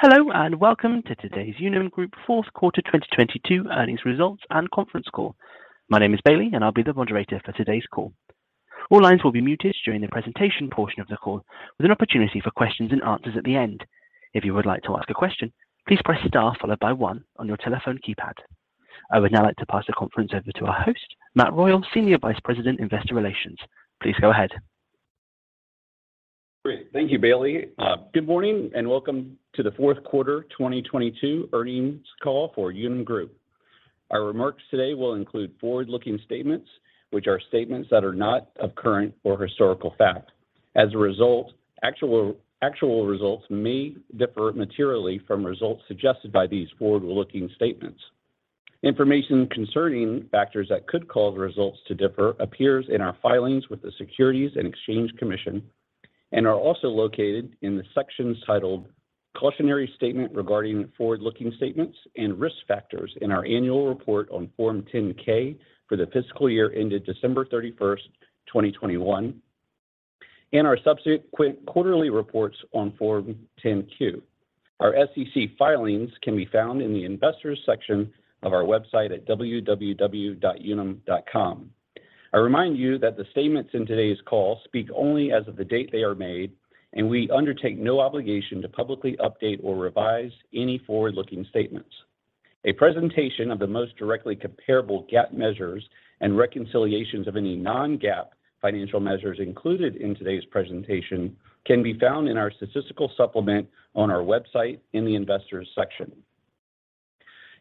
Hello and welcome to today's Unum Group fourth quarter 2022 earnings results and conference call. My name is Bailey, and I'll be the moderator for today's call. All lines will be muted during the presentation portion of the call, with an opportunity for questions and answers at the end. If you would like to ask a question, please press star followed by one on your telephone keypad. I would now like to pass the conference over to our host, Matt Royal, Senior Vice President, Investor Relations. Please go ahead. Great. Thank you, Bailey. Good morning and welcome to the fourth quarter 2022 earnings call for Unum Group. Our remarks today will include forward-looking statements, which are statements that are not of current or historical fact. As a result, actual results may differ materially from results suggested by these forward-looking statements. Information concerning factors that could cause results to differ appears in our filings with the Securities and Exchange Commission and are also located in the sections titled "Cautionary Statement Regarding Forward-Looking Statements and Risk Factors" in our annual report on Form 10-K for the fiscal year ended December 31st, 2021, and our subsequent quarterly reports on Form 10-Q. Our SEC filings can be found in the Investors section of our website at www.unum.com. I remind you that the statements in today's call speak only as of the date they are made, and we undertake no obligation to publicly update or revise any forward-looking statements. A presentation of the most directly comparable GAAP measures and reconciliations of any non-GAAP financial measures included in today's presentation can be found in our statistical supplement on our website in the Investors section.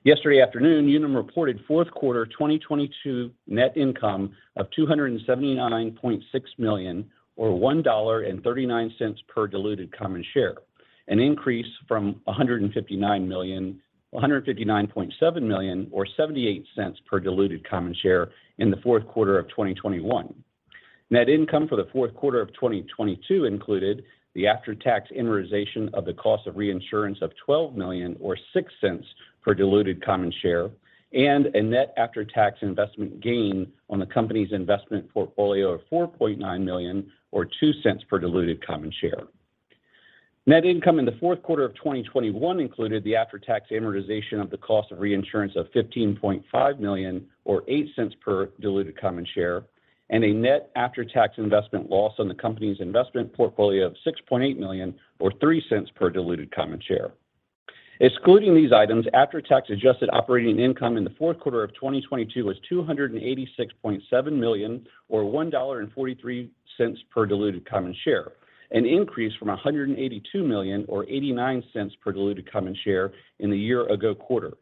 Yesterday afternoon, Unum reported fourth quarter 2022 net income of $279.6 million or $1.39 per diluted common share, an increase from $159.7 million or $0.78 per diluted common share in the fourth quarter of 2021. Net income for the fourth quarter of 2022 included the after-tax amortization of the cost of reinsurance of $12 million or $0.06 per diluted common share and a net after-tax investment gain on the company's investment portfolio of $4.9 million or $0.02 per diluted common share. Net income in the fourth quarter of 2021 included the after-tax amortization of the cost of reinsurance of $15.5 million or $0.08 per diluted common share and a net after-tax investment loss on the company's investment portfolio of $6.8 million or $0.03 per diluted common share. Excluding these items, after-tax adjusted operating income in the fourth quarter of 2022 was $286.7 million or $1.43 per diluted common share, an increase from $182 million or $0.89 per diluted common share in the year ago quarter.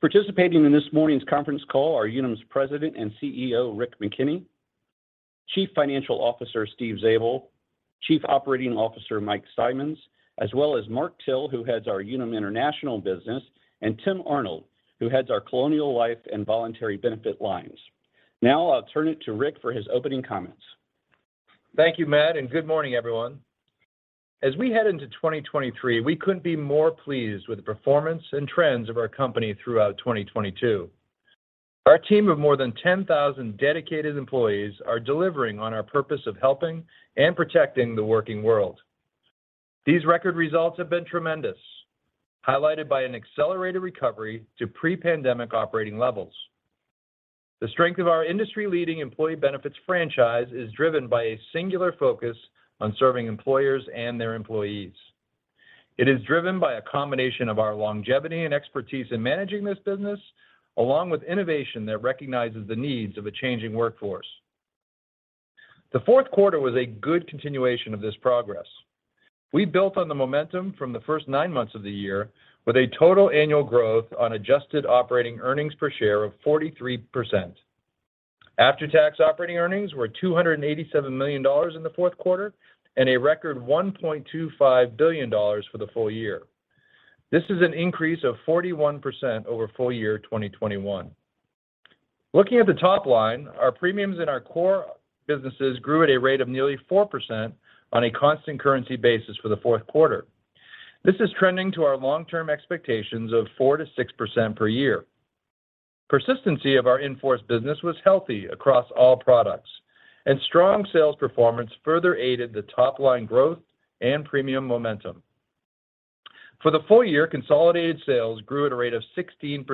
Participating in this morning's conference call are Unum's President and CEO, Rick McKenney, Chief Financial Officer, Steve Zabel, Chief Operating Officer, Mike Simonds, as well as Mark Till, who heads our Unum International business, and Tim Arnold, who heads our Colonial Life and Voluntary Benefit lines. Now I'll turn it to Rick for his opening comments. Thank you, Matt, and good morning, everyone. As we head into 2023, we couldn't be more pleased with the performance and trends of our company throughout 2022. Our team of more than 10,000 dedicated employees are delivering on our purpose of helping and protecting the working world. These record results have been tremendous, highlighted by an accelerated recovery to pre-pandemic operating levels. The strength of our industry-leading employee benefits franchise is driven by a singular focus on serving employers and their employees. It is driven by a combination of our longevity and expertise in managing this business, along with innovation that recognizes the needs of a changing workforce. The fourth quarter was a good continuation of this progress. We built on the momentum from the first nine months of the year with a total annual growth on adjusted operating earnings per share of 43%. After-tax operating earnings were $287 million in the fourth quarter and a record $1.25 billion for the full year. This is an increase of 41% over full year 2021. Looking at the top line, our premiums in our core businesses grew at a rate of nearly 4% on a constant currency basis for the fourth quarter. This is trending to our long-term expectations of 4%-6% per year. Persistency of our in-force business was healthy across all products, and strong sales performance further aided the top-line growth and premium momentum. For the full year, consolidated sales grew at a rate of 16%,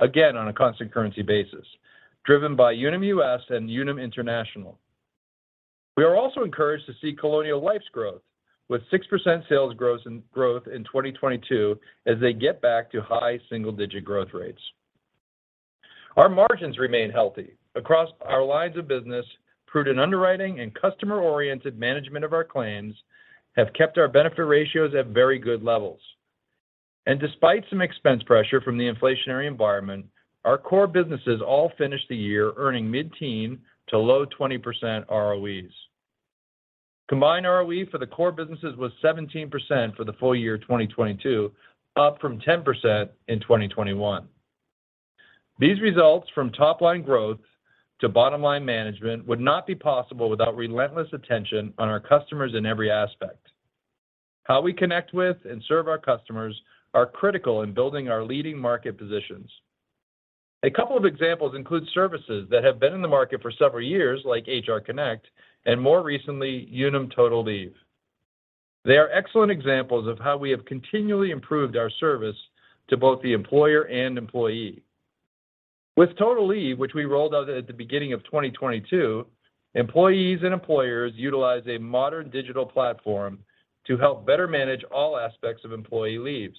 again on a constant currency basis, driven by Unum US and Unum International. We are also encouraged to see Colonial Life's growth with 6% sales growth in 2022 as they get back to high single-digit growth rates. Our margins remain healthy across our lines of business. Prudent underwriting and customer-oriented management of our claims have kept our benefit ratios at very good levels. Despite some expense pressure from the inflationary environment, our core businesses all finished the year earning mid-teen to low 20% ROEs. Combined ROE for the core businesses was 17% for the full year 2022, up from 10% in 2021. These results from top-line growth to bottom-line management would not be possible without relentless attention on our customers in every aspect. How we connect with and serve our customers are critical in building our leading market positions. A couple of examples include services that have been in the market for several years, like HR Connect and more recently, Unum Total Leave. They are excellent examples of how we have continually improved our service to both the employer and employee. With Total Leave, which we rolled out at the beginning of 2022, employees and employers utilize a modern digital platform to help better manage all aspects of employee leaves,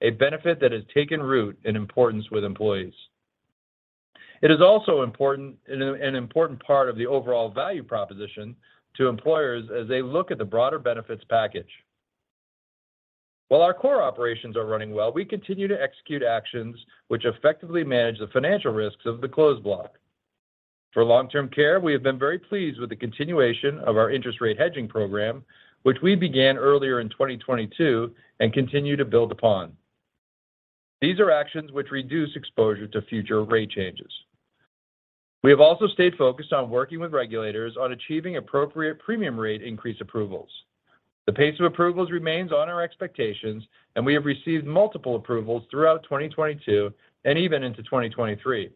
a benefit that has taken root in importance with employees. It is also an important part of the overall value proposition to employers as they look at the broader benefits package. While our core operations are running well, we continue to execute actions which effectively manage the financial risks of the closed block. For long-term care, we have been very pleased with the continuation of our interest rate hedging program, which we began earlier in 2022 and continue to build upon. These are actions which reduce exposure to future rate changes. We have also stayed focused on working with regulators on achieving appropriate premium rate increase approvals. The pace of approvals remains on our expectations. We have received multiple approvals throughout 2022 and even into 2023.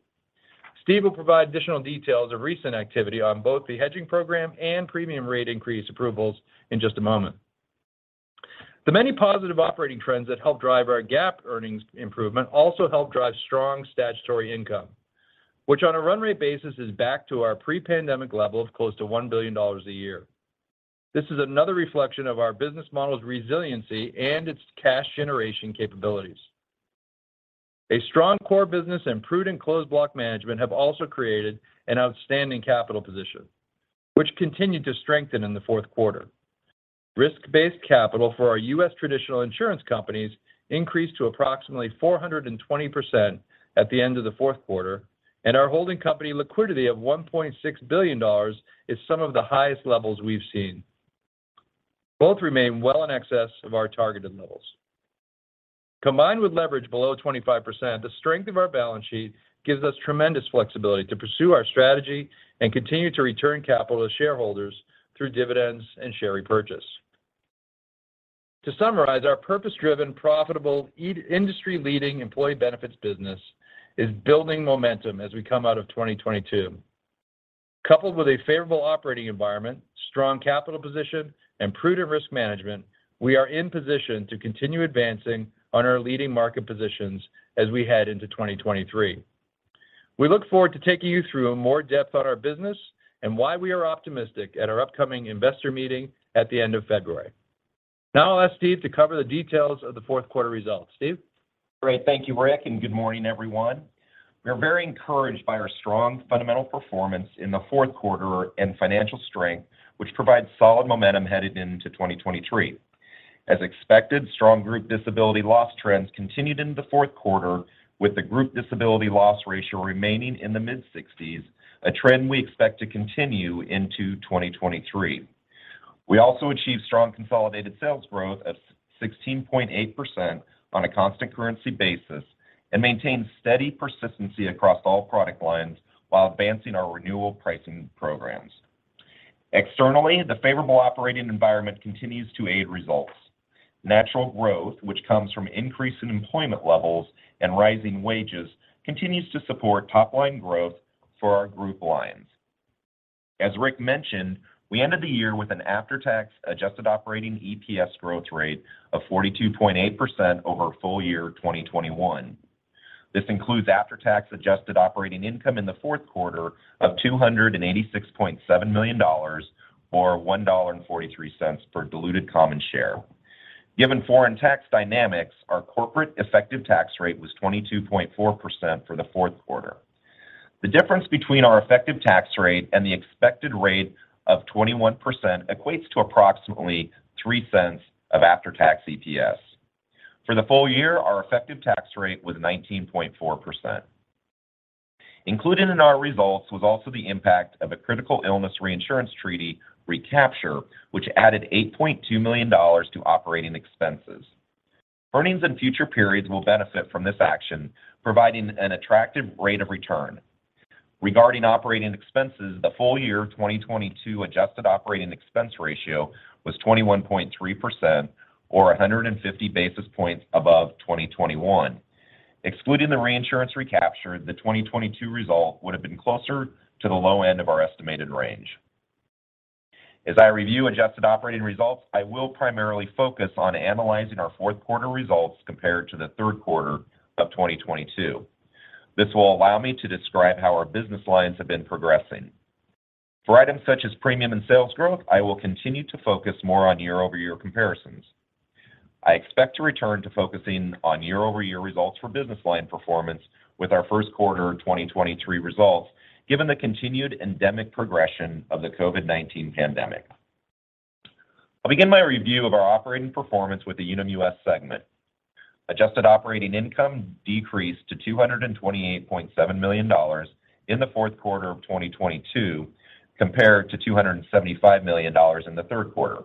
Steve will provide additional details of recent activity on both the hedging program and premium rate increase approvals in just a moment. The many positive operating trends that help drive our GAAP earnings improvement also help drive strong statutory income, which on a run rate basis is back to our pre-pandemic level of close to $1 billion a year. This is another reflection of our business model's resiliency and its cash generation capabilities. A strong core business and prudent closed block management have also created an outstanding capital position, which continued to strengthen in the fourth quarter. risk-based capital for our U.S. traditional insurance companies increased to approximately 420% at the end of the fourth quarter, and our holding company liquidity of $1.6 billion is some of the highest levels we've seen. Both remain well in excess of our targeted levels. Combined with leverage below 25%, the strength of our balance sheet gives us tremendous flexibility to pursue our strategy and continue to return capital to shareholders through dividends and share repurchase. To summarize, our purpose-driven, profitable, industry-leading employee benefits business is building momentum as we come out of 2022. Coupled with a favorable operating environment, strong capital position, and prudent risk management, we are in position to continue advancing on our leading market positions as we head into 2023. We look forward to taking you through more depth on our business and why we are optimistic at our upcoming investor meeting at the end of February. Now I'll ask Steve to cover the details of the fourth quarter results. Steve? Great. Thank you, Rick, and good morning, everyone. We are very encouraged by our strong fundamental performance in the fourth quarter and financial strength, which provides solid momentum headed into 2023. As expected, strong group disability loss trends continued in the fourth quarter with the group disability loss ratio remaining in the mid-60s, a trend we expect to continue into 2023. We also achieved strong consolidated sales growth of 16.8% on a constant currency basis and maintained steady persistency across all product lines while advancing our renewal pricing programs. Externally, the favorable operating environment continues to aid results. Natural growth, which comes from increase in employment levels and rising wages, continues to support top-line growth for our group lines. As Rick mentioned, we ended the year with an after-tax adjusted operating EPS growth rate of 42.8% over full year 2021. This includes after-tax adjusted operating income in the fourth quarter of $286.7 million or $1.43 per diluted common share. Given foreign tax dynamics, our corporate effective tax rate was 22.4% for the fourth quarter. The difference between our effective tax rate and the expected rate of 21% equates to approximately $0.03 of after-tax EPS. For the full year, our effective tax rate was 19.4%. Included in our results was also the impact of a critical illness reinsurance treaty recapture, which added $8.2 million to operating expenses. Earnings in future periods will benefit from this action, providing an attractive rate of return. Regarding operating expenses, the full year of 2022 adjusted operating expense ratio was 21.3% or 150 basis points above 2021. Excluding the reinsurance recapture, the 2022 result would have been closer to the low end of our estimated range. As I review adjusted operating results, I will primarily focus on analyzing our 4th quarter results compared to the 3rd quarter of 2022. This will allow me to describe how our business lines have been progressing. For items such as premium and sales growth, I will continue to focus more on year-over-year comparisons. I expect to return to focusing on year-over-year results for business line performance with our 1st quarter 2023 results, given the continued endemic progression of the COVID-19 pandemic. I'll begin my review of our operating performance with the Unum US segment. Adjusted operating income decreased to $228.7 million in the 4th quarter of 2022 compared to $275 million in the 3rd quarter.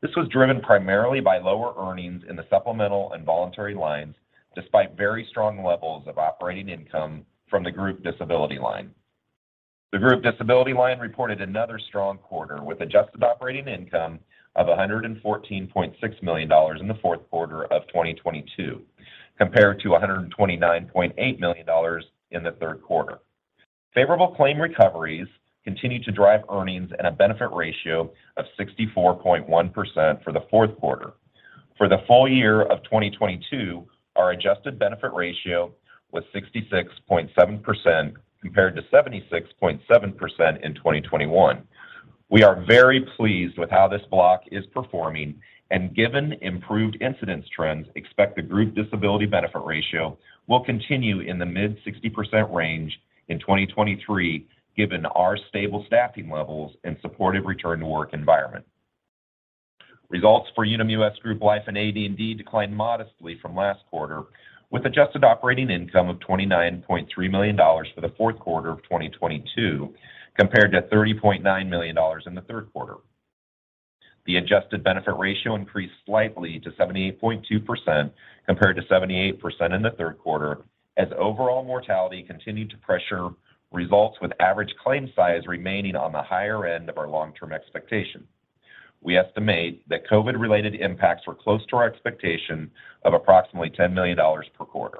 This was driven primarily by lower earnings in the supplemental and voluntary lines, despite very strong levels of operating income from the group disability line. The group disability line reported another strong quarter with adjusted operating income of $114.6 million in Q4 2022, compared to $129.8 million in Q3. Favorable claim recoveries continued to drive earnings at a benefit ratio of 64.1% for Q4. For the full year 2022, our adjusted benefit ratio was 66.7% compared to 76.7% in 2021. We are very pleased with how this block is performing and given improved incidence trends, expect the group disability benefit ratio will continue in the mid 60% range in 2023, given our stable staffing levels and supportive return to work environment. Results for Unum US Group Life and AD&D declined modestly from last quarter with adjusted operating income of $29.3 million for the fourth quarter of 2022, compared to $30.9 million in the third quarter. The adjusted benefit ratio increased slightly to 78.2% compared to 78% in the third quarter as overall mortality continued to pressure results with average claim size remaining on the higher end of our long-term expectation. We estimate that COVID-related impacts were close to our expectation of approximately $10 million per quarter.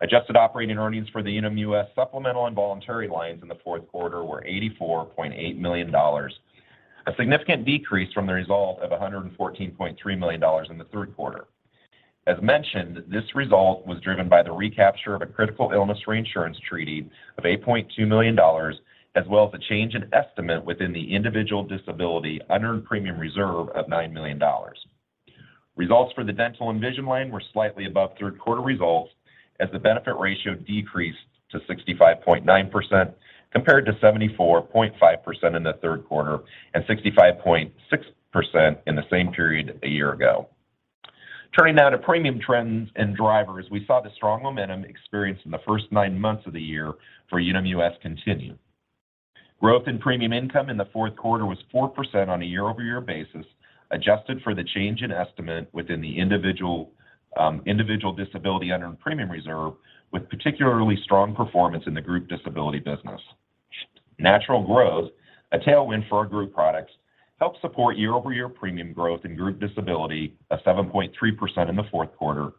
Adjusted operating earnings for the Unum US supplemental and voluntary lines in the fourth quarter were $84.8 million, a significant decrease from the result of $114.3 million in the third quarter. As mentioned, this result was driven by the recapture of a critical illness reinsurance treaty of $8.2 million, as well as a change in estimate within the individual disability unearned premium reserve of $9 million. Results for the dental and vision line were slightly above third quarter results as the benefit ratio decreased to 65.9% compared to 74.5% in the third quarter and 65.6% in the same period a year ago. Turning now to premium trends and drivers, we saw the strong momentum experienced in the first nine months of the year for Unum US continue. Growth in premium income in the fourth quarter was 4% on a year-over-year basis, adjusted for the change in estimate within the individual disability unearned premium reserve, with particularly strong performance in the group disability business. Natural growth, a tailwind for our group products, helped support year-over-year premium growth in group disability of 7.3% in the fourth quarter,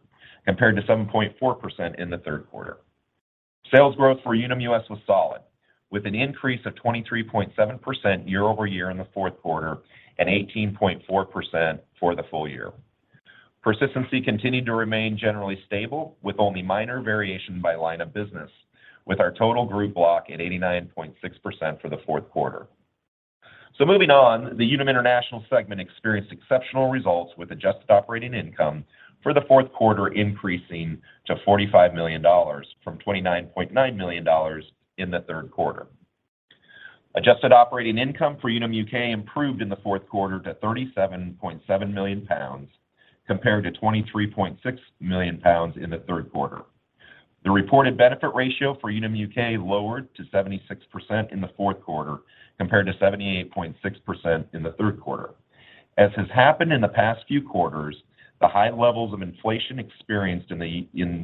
compared to 7.4% in the third quarter. Sales growth for Unum US was solid, with an increase of 23.7% year-over-year in the fourth quarter and 18.4% for the full year. Persistency continued to remain generally stable, with only minor variation by line of business, with our total group block at 89.6% for the fourth quarter. Moving on, the Unum International segment experienced exceptional results with adjusted operating income for the fourth quarter increasing to $45 million from $29.9 million in the third quarter. Adjusted operating income for Unum UK improved in the fourth quarter to 37.7 million pounds compared to 23.6 million pounds in the third quarter. The reported benefit ratio for Unum UK lowered to 76% in the fourth quarter compared to 78.6% in the third quarter. As has happened in the past few quarters, the high levels of inflation experienced in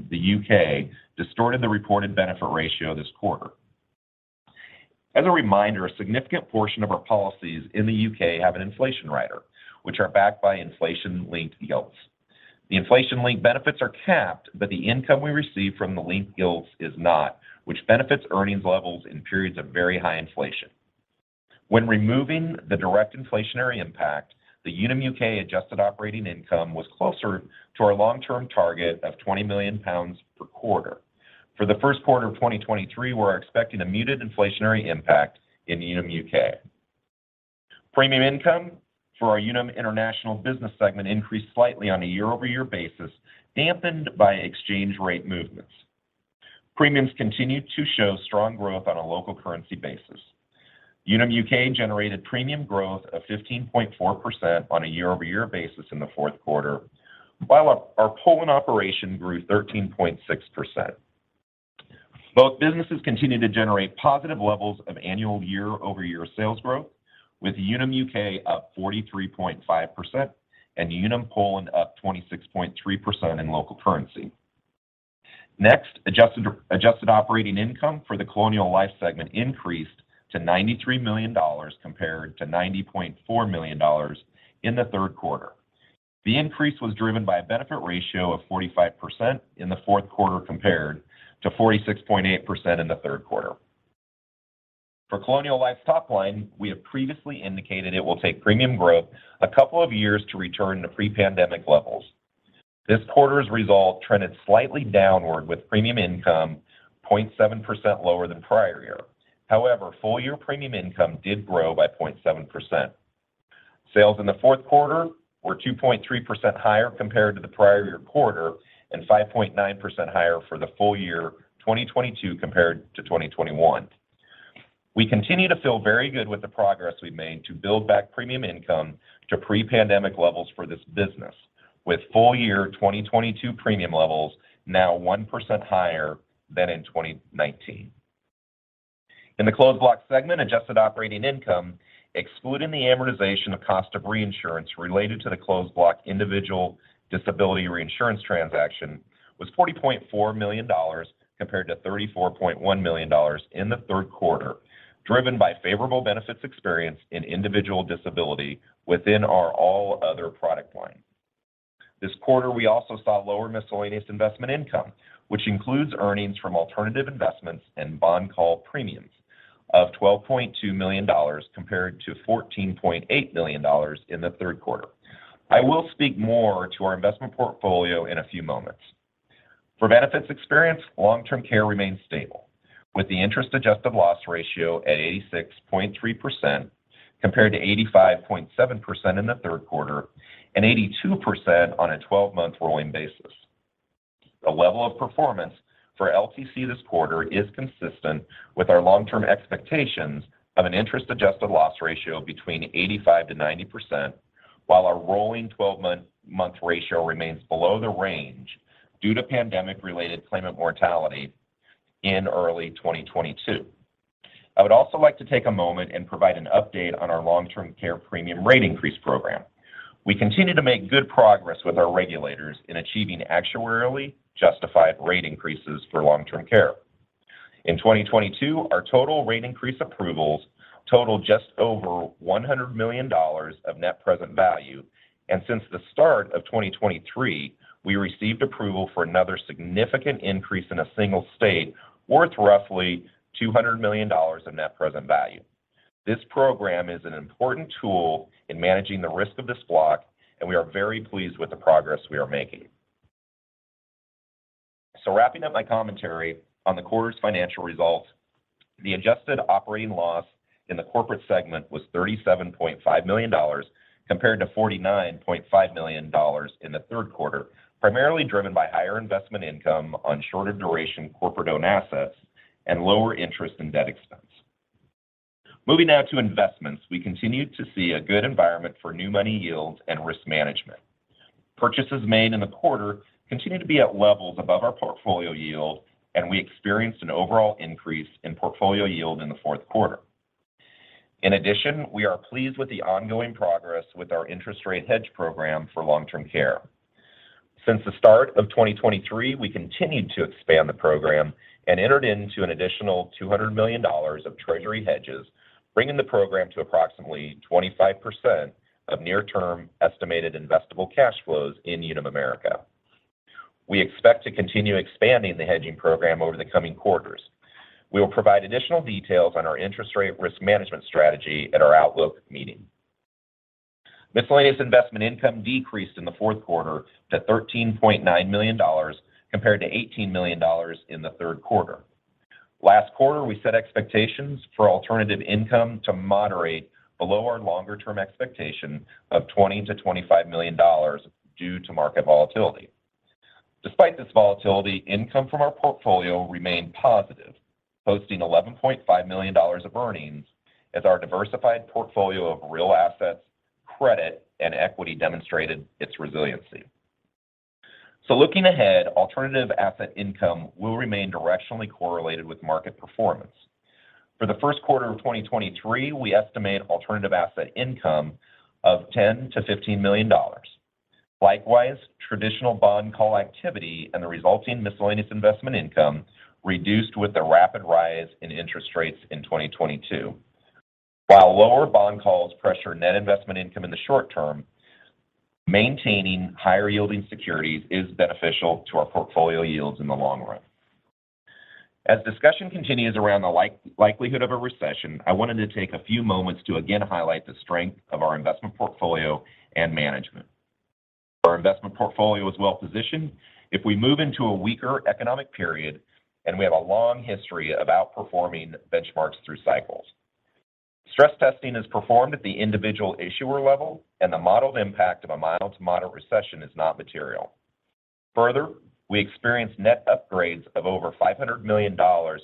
the U.K. distorted the reported benefit ratio this quarter. As a reminder, a significant portion of our policies in the U.K. have an inflation rider, which are backed by inflation-linked yields. The inflation-linked benefits are capped, the income we receive from the linked yields is not, which benefits earnings levels in periods of very high inflation. When removing the direct inflationary impact, the Unum UK adjusted operating income was closer to our long-term target of 20 million pounds per quarter. For the first quarter of 2023, we're expecting a muted inflationary impact in Unum UK. Premium income for our Unum International Business segment increased slightly on a year-over-year basis, dampened by exchange rate movements. Premiums continued to show strong growth on a local currency basis. Unum UK generated premium growth of 15.4% on a year-over-year basis in the fourth quarter, while our Poland operation grew 13.6%. Both businesses continued to generate positive levels of annual year-over-year sales growth, with Unum UK up 43.5% and Unum Poland up 26.3% in local currency. Next, adjusted operating income for the Colonial Life segment increased to $93 million compared to $90.4 million in the third quarter. The increase was driven by a benefit ratio of 45% in the fourth quarter compared to 46.8% in the third quarter. For Colonial Life's top line, we have previously indicated it will take premium growth a couple of years to return to pre-pandemic levels. This quarter's result trended slightly downward with premium income 0.7% lower than prior year. However, full year premium income did grow by 0.7%. Sales in the 4th quarter were 2.3% higher compared to the prior year quarter and 5.9% higher for the full year 2022 compared to 2021. We continue to feel very good with the progress we've made to build back premium income to pre-pandemic levels for this business, with full year 2022 premium levels now 1% higher than in 2019. In the closed block segment, adjusted operating income, excluding the amortization of cost of reinsurance related to the closed block individual disability reinsurance transaction, was $40.4 million compared to $34.1 million in the 3rd quarter, driven by favorable benefits experience in individual disability within our all other product line. This quarter, we also saw lower miscellaneous investment income, which includes earnings from alternative investments and bond call premiums of $12.2 million compared to $14.8 million in the third quarter. I will speak more to our investment portfolio in a few moments. For benefits experience, long-term care remains stable, with the interest-adjusted loss ratio at 86.3% compared to 85.7% in the third quarter and 82% on a 12-month rolling basis. The level of performance for LTC this quarter is consistent with our long-term expectations of an interest-adjusted loss ratio between 85%-90%, while our rolling 12-month ratio remains below the range due to pandemic-related claimant mortality in early 2022. I would also like to take a moment and provide an update on our long-term care premium rate increase program. We continue to make good progress with our regulators in achieving actuarially justified rate increases for long-term care. In 2022, our total rate increase approvals totaled just over $100 million of net present value. Since the start of 2023, we received approval for another significant increase in a single state worth roughly $200 million of net present value. This program is an important tool in managing the risk of this block, and we are very pleased with the progress we are making. Wrapping up my commentary on the quarter's financial results, the adjusted operating loss in the corporate segment was $37.5 million compared to $49.5 million in the third quarter, primarily driven by higher investment income on shorter duration corporate-owned assets and lower interest in debt expense. Moving now to investments, we continued to see a good environment for new money yield and risk management. Purchases made in the quarter continued to be at levels above our portfolio yield, and we experienced an overall increase in portfolio yield in the fourth quarter. In addition, we are pleased with the ongoing progress with our interest rate hedge program for long-term care. Since the start of 2023, we continued to expand the program and entered into an additional $200 million of treasury hedges, bringing the program to approximately 25% of near-term estimated investable cash flows in Unum America. We expect to continue expanding the hedging program over the coming quarters. We will provide additional details on our interest rate risk management strategy at our outlook meeting. Miscellaneous investment income decreased in the fourth quarter to $13.9 million compared to $18 million in the third quarter. Last quarter, we set expectations for alternative income to moderate below our longer-term expectation of $20 million-$25 million due to market volatility. Despite this volatility, income from our portfolio remained positive, posting $11.5 million of earnings as our diversified portfolio of real assets, credit, and equity demonstrated its resiliency. Looking ahead, alternative asset income will remain directionally correlated with market performance. For the first quarter of 2023, we estimate alternative asset income of $10 million-$15 million. Likewise, traditional bond call activity and the resulting miscellaneous investment income reduced with the rapid rise in interest rates in 2022. While lower bond calls pressure net investment income in the short term, maintaining higher-yielding securities is beneficial to our portfolio yields in the long run. As discussion continues around the likelihood of a recession, I wanted to take a few moments to again highlight the strength of our investment portfolio and management. Our investment portfolio is well-positioned if we move into a weaker economic period and we have a long history of outperforming benchmarks through cycles. Stress testing is performed at the individual issuer level, and the modeled impact of a mild to moderate recession is not material. Further, we experienced net upgrades of over $500 million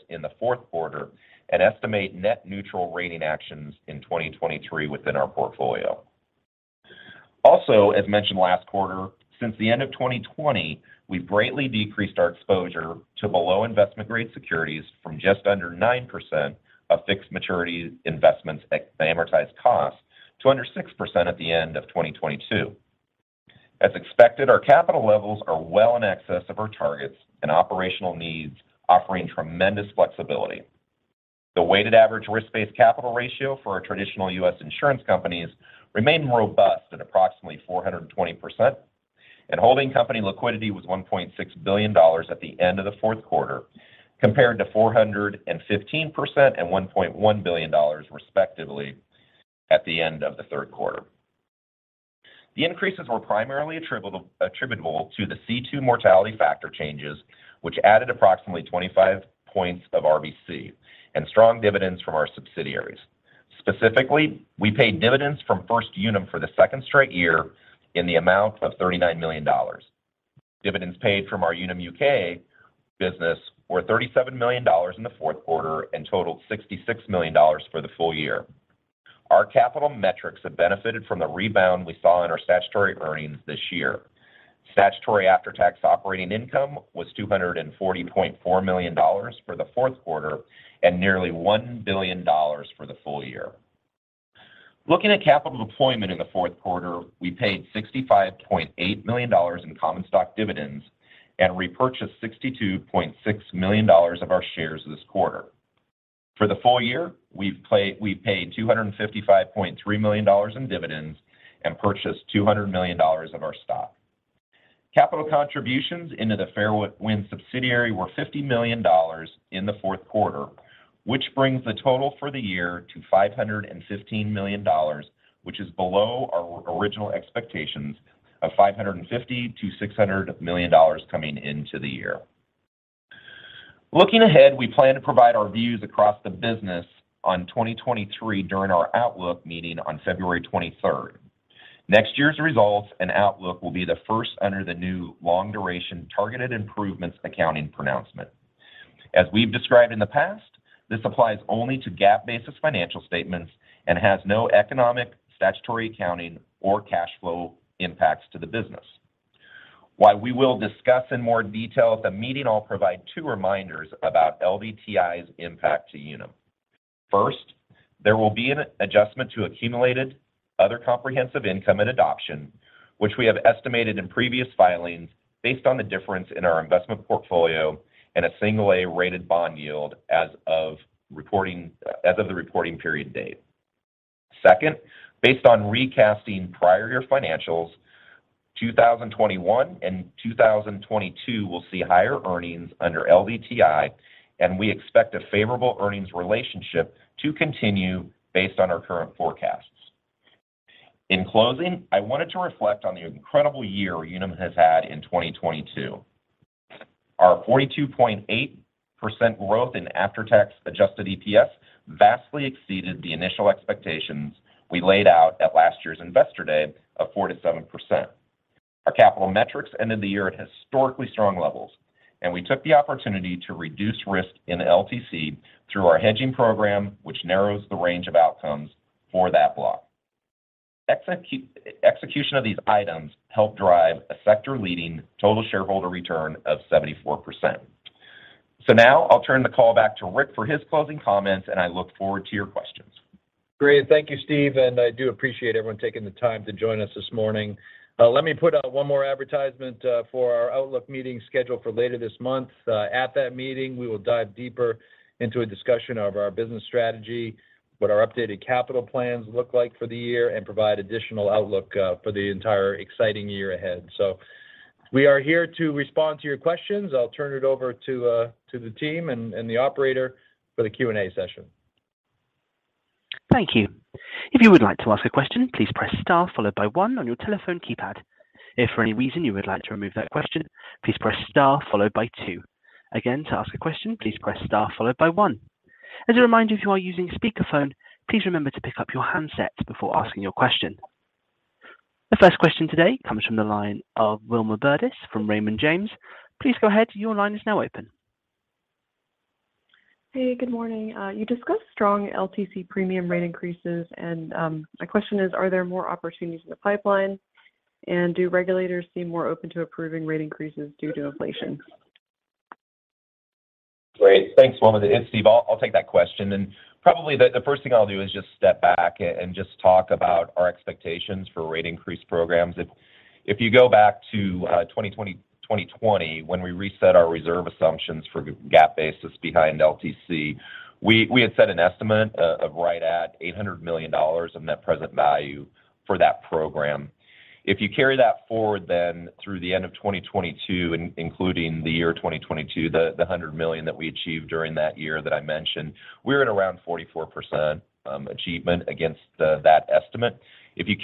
in the fourth quarter and estimate net neutral rating actions in 2023 within our portfolio. As mentioned last quarter, since the end of 2020, we've greatly decreased our exposure to below-investment grade securities from just under 9% of fixed maturity investments at amortized cost to under 6% at the end of 2022. As expected, our capital levels are well in excess of our targets and operational needs, offering tremendous flexibility. The weighted average risk-based capital ratio for our traditional US insurance companies remained robust at approximately 420%, and holding company liquidity was $1.6 billion at the end of the fourth quarter, compared to 415% and $1.1 billion, respectively, at the end of the third quarter. The increases were primarily attributable to the C2 mortality factor changes, which added approximately 25 points of RBC and strong dividends from our subsidiaries. Specifically, we paid dividends from First Unum for the second straight year in the amount of $39 million. Dividends paid from our Unum UK business were $37 million in the fourth quarter and totaled $66 million for the full year. Our capital metrics have benefited from the rebound we saw in our statutory earnings this year. Statutory after-tax operating income was $240.4 million for the fourth quarter and nearly $1 billion for the full year. Looking at capital deployment in the fourth quarter, we paid $65.8 million in common stock dividends and repurchased $62.6 million of our shares this quarter. For the full year, we've paid $255.3 million in dividends and purchased $200 million of our stock. Capital contributions into the Fairwind subsidiary were $50 million in the fourth quarter, which brings the total for the year to $515 million, which is below our original expectations of $550 million-$600 million coming into the year. Looking ahead, we plan to provide our views across the business on 2023 during our outlook meeting on February 23rd. Next year's results and outlook will be the first under the new long-duration targeted improvements accounting pronouncement. As we've described in the past, this applies only to GAAP-basis financial statements and has no economic, statutory accounting, or cash flow impacts to the business. While we will discuss in more detail at the meeting, I'll provide two reminders about LDTI's impact to Unum. First, there will be an adjustment to accumulated other comprehensive income at adoption, which we have estimated in previous filings based on the difference in our investment portfolio and a single A-rated bond yield as of the reporting period date. Second, based on recasting prior year financials, 2021 and 2022 will see higher earnings under LDTI, and we expect a favorable earnings relationship to continue based on our current forecasts. In closing, I wanted to reflect on the incredible year Unum has had in 2022. Our 42.8% growth in after-tax adjusted EPS vastly exceeded the initial expectations we laid out at last year's Investor Day of 4%-7%. Our capital metrics ended the year at historically strong levels, we took the opportunity to reduce risk in LTC through our hedging program, which narrows the range of outcomes for that block. Execution of these items helped drive a sector-leading total shareholder return of 74%. Now I'll turn the call back to Rick for his closing comments, and I look forward to your questions. Great. Thank you, Steve. I do appreciate everyone taking the time to join us this morning. Let me put out one more advertisement for our outlook meeting scheduled for later this month. At that meeting, we will dive deeper into a discussion of our business strategy, what our updated capital plans look like for the year, and provide additional outlook for the entire exciting year ahead. We are here to respond to your questions. I'll turn it over to the team and the operator for the Q&A session. Thank you. If you would like to ask a question, please press star followed by one on your telephone keypad. If for any reason you would like to remove that question, please press star followed by two. Again, to ask a question, please press star followed by one. As a reminder, if you are using speakerphone, please remember to pick up your handset before asking your question. The first question today comes from the line of Wilma Burdis from Raymond James. Please go ahead. Your line is now open. Hey, good morning. You discussed strong LTC premium rate increases. My question is, are there more opportunities in the pipeline? Do regulators seem more open to approving rate increases due to inflation? Great. Thanks, Wilma. It's Steve. I'll take that question. Probably the first thing I'll do is just step back and just talk about our expectations for rate increase programs. If you go back to 2020, when we reset our reserve assumptions for GAAP basis behind LTC, we had set an estimate of right at $800 million of net present value for that program. If you carry that forward then through the end of 2022, including the year 2022, the $100 million that I achieved during that year that I mentioned, we're at around 44% achievement against that estimate. If you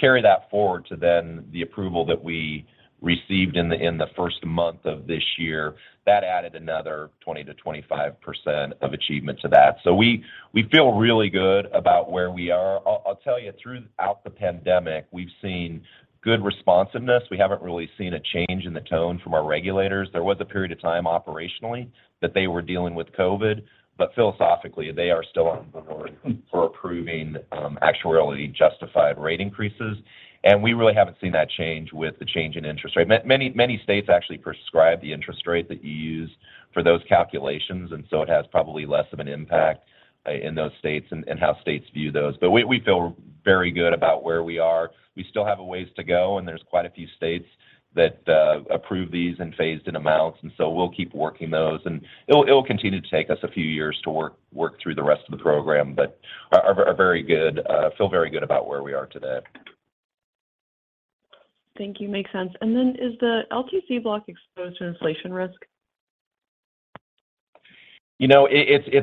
carry that forward to then the approval that we received in the first month of this year, that added another 20%-25% of achievement to that. We feel really good about where we are. I'll tell you, throughout the pandemic, we've seen good responsiveness. We haven't really seen a change in the tone from our regulators. There was a period of time operationally that they were dealing with COVID, but philosophically, they are still on board for approving actuarially justified rate increases. We really haven't seen that change with the change in interest rate. Many states actually prescribe the interest rate that you use for those calculations, it has probably less of an impact in those states and how states view those. We feel very good about where we are. We still have a ways to go, there's quite a few states that approve these in phased-in amounts, we'll keep working those. It'll continue to take us a few years to work through the rest of the program, but are very good, feel very good about where we are today. Thank you. Makes sense. Then is the LTC block exposed to inflation risk? You know, it's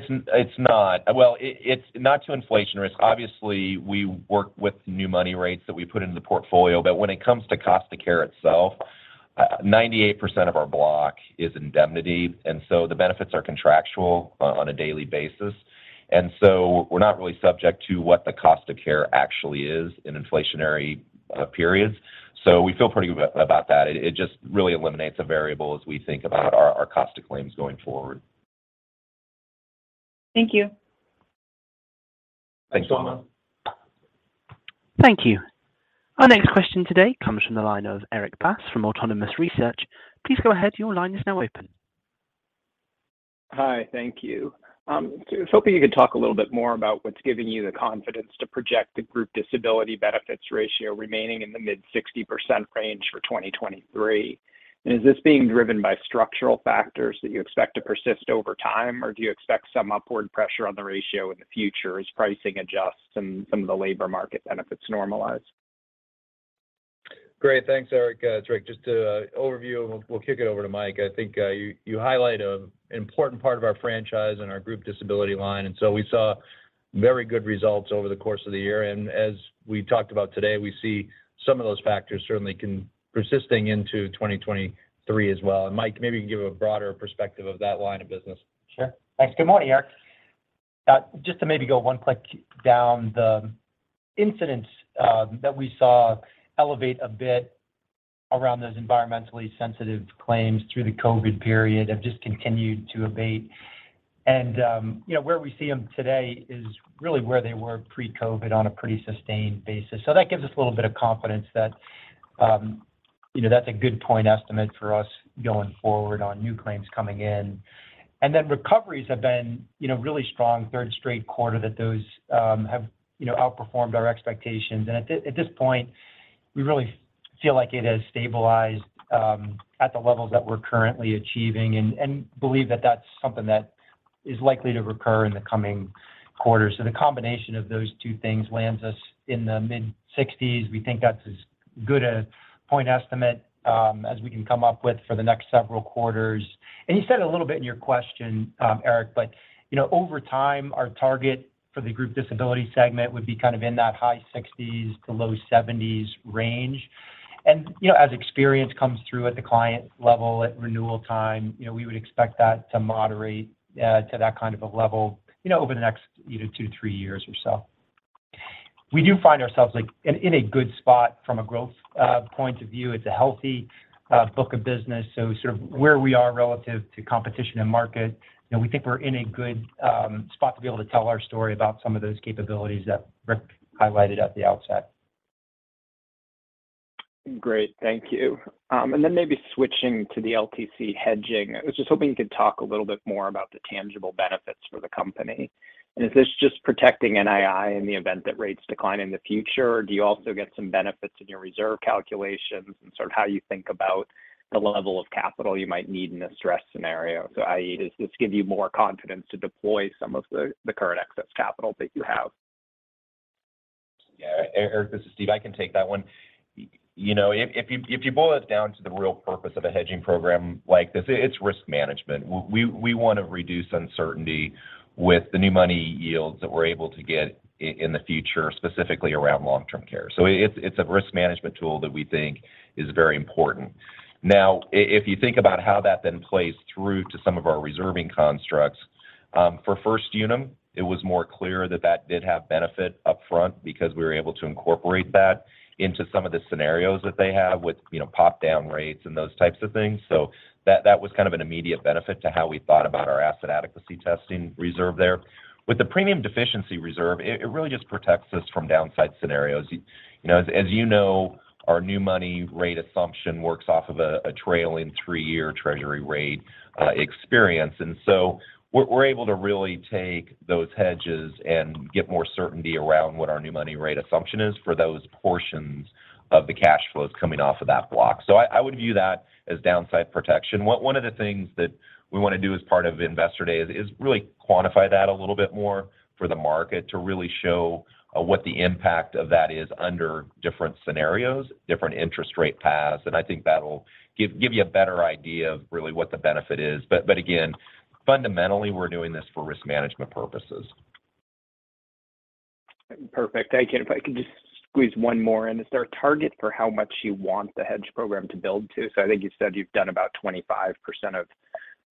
not. Well, it's not to inflation risk. Obviously, we work with new money rates that we put into the portfolio. When it comes to cost of care itself, 98% of our block is indemnity, and so the benefits are contractual on a daily basis. We're not really subject to what the cost of care actually is in inflationary periods. We feel pretty good about that. It just really eliminates a variable as we think about our caustic claims going forward. Thank you. Thanks so much. Thank you. Our next question today comes from the line of Erik Bass from Autonomous Research. Please go ahead, your line is now open. Hi. Thank you. I was hoping you could talk a little bit more about what's giving you the confidence to project the group disability benefits ratio remaining in the mid 60% range for 2023. Is this being driven by structural factors that you expect to persist over time, or do you expect some upward pressure on the ratio in the future as pricing adjusts and some of the labor market benefits normalize? Great. Thanks, Erik. it's Rick. Just to overview, we'll kick it over to Mike. I think, you highlight an important part of our franchise and our group disability line. We saw very good results over the course of the year, and as we talked about today, we see some of those factors certainly persisting into 2023 as well. Mike, maybe you can give a broader perspective of that line of business. Sure. Thanks. Good morning, Erik. Just to maybe go one click down the incidents that we saw elevate a bit around those environmentally sensitive claims through the COVID-19 period have just continued to abate. You know, where we see them today is really where they were pre-COVID-19 on a pretty sustained basis. That gives us a little bit of confidence that, you know, that's a good point estimate for us going forward on new claims coming in. Recoveries have been, you know, really strong 3rd straight quarter that those have, you know, outperformed our expectations. At this point, we really feel like it has stabilized at the levels that we're currently achieving and believe that that's something that is likely to recur in the coming quarters. The combination of those two things lands us in the mid-60s. We think that's as good a point estimate as we can come up with for the next several quarters. You said a little bit in your question, Erik, but you know, over time, our target for the group disability segment would be kind of in that high 60s to low 70s range. You know, as experience comes through at the client level at renewal time, you know, we would expect that to moderate to that kind of a level, you know, over the next, you know, two, three years or so. We do find ourselves, like, in a good spot from a growth point of view. It's a healthy book of business. sort of where we are relative to competition and market, you know, we think we're in a good spot to be able to tell our story about some of those capabilities that Rick highlighted at the outset. Great. Thank you. Then maybe switching to the LTC hedging. I was just hoping you could talk a little bit more about the tangible benefits for the company. Is this just protecting NII in the event that rates decline in the future, or do you also get some benefits in your reserve calculations and sort of how you think about the level of capital you might need in a stress scenario? I.e., does this give you more confidence to deploy some of the current excess capital that you have? Yeah. Erik, this is Steve. I can take that one. You know, if you boil it down to the real purpose of a hedging program like this, it's risk management. We want to reduce uncertainty with the new money yields that we're able to get in the future, specifically around long-term care. it's a risk management tool that we think is very important. Now, if you think about how that then plays through to some of our reserving constructs, for First Unum, it was more clear that did have benefit upfront because we were able to incorporate that into some of the scenarios that they have with, you know, pop down rates and those types of things. that was kind of an immediate benefit to how we thought about our asset adequacy testing reserve there. With the premium deficiency reserve, it really just protects us from downside scenarios. You know, as you know, our new money rate assumption works off of a trailing three-year treasury rate experience. We're able to really take those hedges and get more certainty around what our new money rate assumption is for those portions of the cash flows coming off of that block. I would view that as downside protection. One of the things that we want to do as part of Investor Day is really quantify that a little bit more for the market to really show what the impact of that is under different scenarios, different interest rate paths, and I think that'll give you a better idea of really what the benefit is. Again, fundamentally, we're doing this for risk management purposes. Perfect. If I can just squeeze one more in. Is there a target for how much you want the hedge program to build to? I think you said you've done about 25% of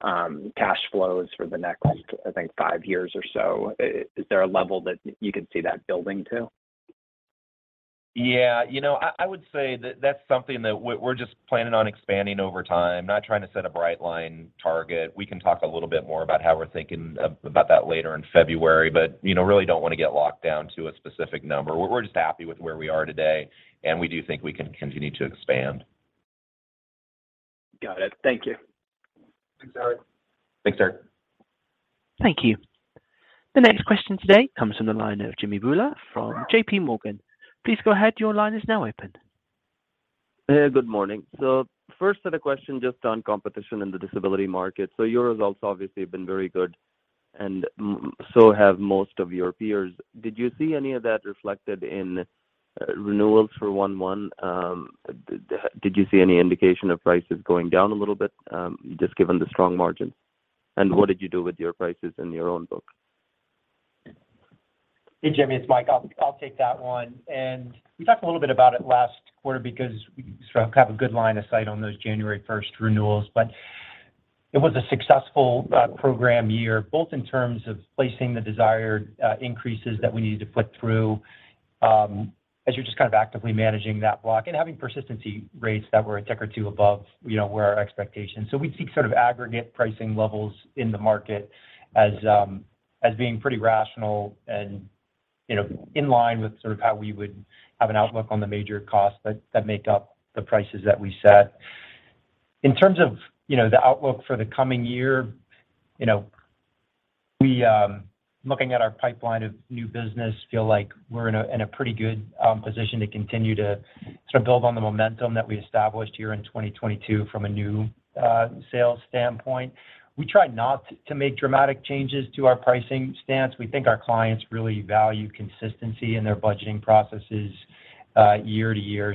cash flows for the next, I think, five years or so. Is there a level that you can see that building to? You know, I would say that that's something that we're just planning on expanding over time, not trying to set a bright line target. We can talk a little bit more about that later in February. You know, really don't want to get locked down to a specific number. We're just happy with where we are today, and we do think we can continue to expand. Got it. Thank you. Thanks, Erik. Thanks, Erik. Thank you. The next question today comes from the line of Jimmy Bhullar from JPMorgan. Please go ahead, your line is now open. Hey, good morning. First, have a question just on competition in the disability market. Your results obviously have been very good and so have most of your peers. Did you see any of that reflected in renewals for one-one? Did you see any indication of prices going down a little bit just given the strong margins? What did you do with your prices in your own book? Hey, Jimmy, it's Mike. I'll take that one. We talked a little bit about it last quarter because we sort of have a good line of sight on those January first renewals. It was a successful program year, both in terms of placing the desired increases that we needed to put through As you're just kind of actively managing that block and having persistency rates that were a tick or two above, you know, where our expectations. We seek sort of aggregate pricing levels in the market as being pretty rational and, you know, in line with sort of how we would have an outlook on the major costs that make up the prices that we set. In terms of, you know, the outlook for the coming year, you know, we, looking at our pipeline of new business feel like we're in a, we're in a pretty good position to continue to sort of build on the momentum that we established here in 2022 from a new sales standpoint. We try not to make dramatic changes to our pricing stance. We think our clients really value consistency in their budgeting processes, year to year.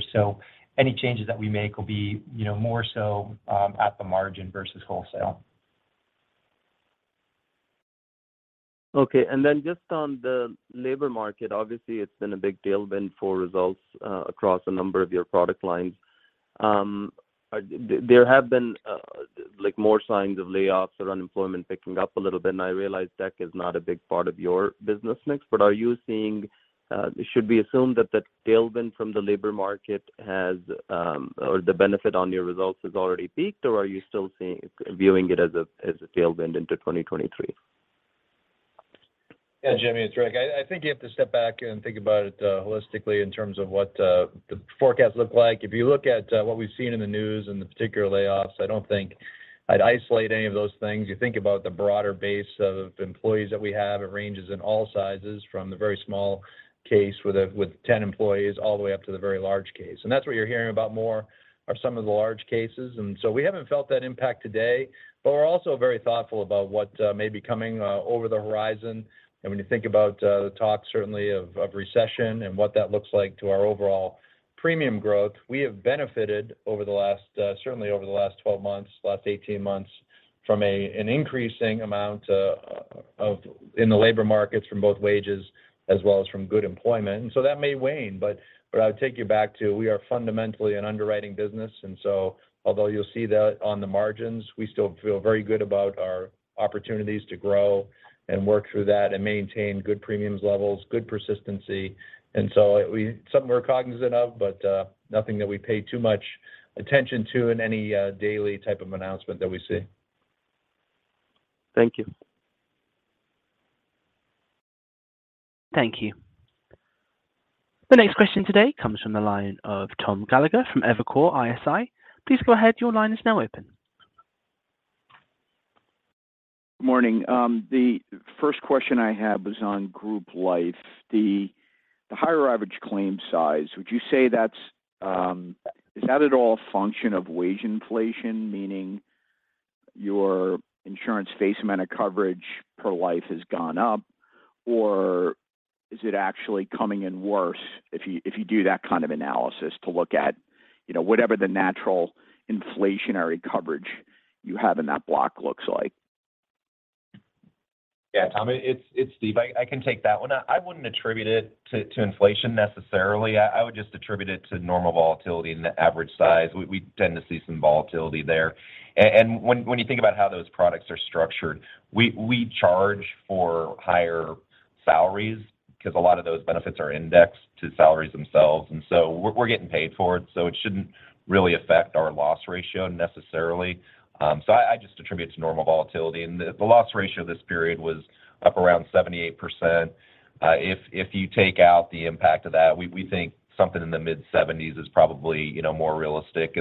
Any changes that we make will be, you know, more so, at the margin versus wholesale. Okay. Just on the labor market, obviously, it's been a big tailwind for results across a number of your product lines. There have been like more signs of layoffs or unemployment picking up a little bit. I realize tech is not a big part of your business mix, but are you seeing should we assume that that tailwind from the labor market has or the benefit on your results has already peaked, or are you still viewing it as a tailwind into 2023? Yeah, Jimmy, it's Rick. I think you have to step back and think about it holistically in terms of what the forecast look like. If you look at what we've seen in the news and the particular layoffs, I don't think I'd isolate any of those things. You think about the broader base of employees that we have. It ranges in all sizes from the very small case with 10 employees all the way up to the very large case. That's what you're hearing about more are some of the large cases. So we haven't felt that impact today. We're also very thoughtful about what may be coming over the horizon. When you think about the talk certainly of recession and what that looks like to our overall premium growth, we have benefited over the last certainly over the last 12 months, the last 18 months from an increasing amount in the labor markets from both wages as well as from good employment. That may wane, but I would take you back to we are fundamentally an underwriting business. Although you'll see that on the margins, we still feel very good about our opportunities to grow and work through that and maintain good premiums levels, good persistency. Something we're cognizant of, but nothing that we pay too much attention to in any daily type of announcement that we see. Thank you. Thank you. The next question today comes from the line of Tom Gallagher from Evercore ISI. Please go ahead. Your line is now open. Morning. The first question I had was on Group Life, the higher average claim size. Would you say that's, is that at all a function of wage inflation, meaning your insurance face amount of coverage per life has gone up? Or is it actually coming in worse if you do that kind of analysis to look at, you know, whatever the natural inflationary coverage you have in that block looks like? Yeah, Tom, it's Steve. I can take that one. I wouldn't attribute it to inflation necessarily. I would just attribute it to normal volatility in the average size. We tend to see some volatility there. When you think about how those products are structured, we charge for higher salaries because a lot of those benefits are indexed to salaries themselves, so we're getting paid for it, so it shouldn't really affect our loss ratio necessarily. So I just attribute to normal volatility. The loss ratio this period was up around 78%. If you take out the impact of that, we think something in the mid-70s is probably, you know, more realistic.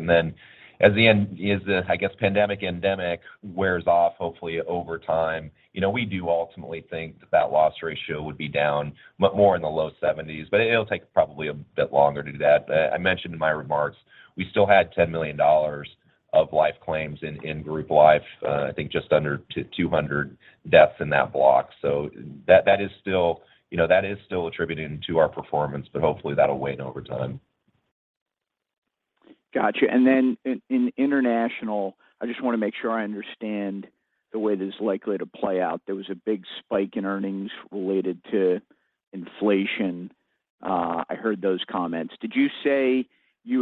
As the, I guess, pandemic endemic wears off, hopefully over time, you know, we do ultimately think that that loss ratio would be down more in the low 70s, but it'll take probably a bit longer to do that. I mentioned in my remarks, we still had $10 million of life claims in Group Life, I think just under 200 deaths in that block. That is still, you know, that is still attributing to our performance, but hopefully that'll wane over time. Got you. In Unum International, I just want to make sure I understand the way this is likely to play out. There was a big spike in earnings related to inflation. I heard those comments. Did you say you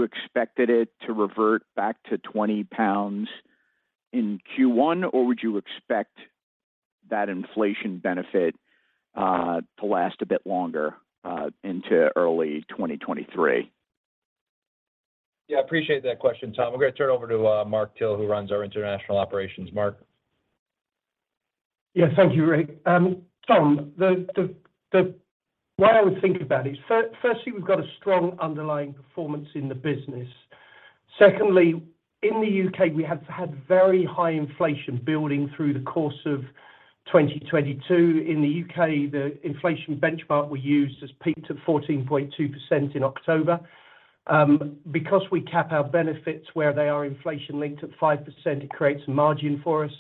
expected it to revert back to 20 pounds in Q1, or would you expect that inflation benefit to last a bit longer into early 2023? Yeah, appreciate that question, Tom. I'm gonna turn it over to Mark Till, who runs our international operations. Mark. Yeah. Thank you, Rick. Tom, the way I would think about it is firstly, we've got a strong underlying performance in the business. Secondly, in the U.K., we have had very high inflation building through the course of 2022. In the U.K., the inflation benchmark we used has peaked at 14.2% in October. Because we cap our benefits where they are inflation linked at 5%, it creates a margin for us.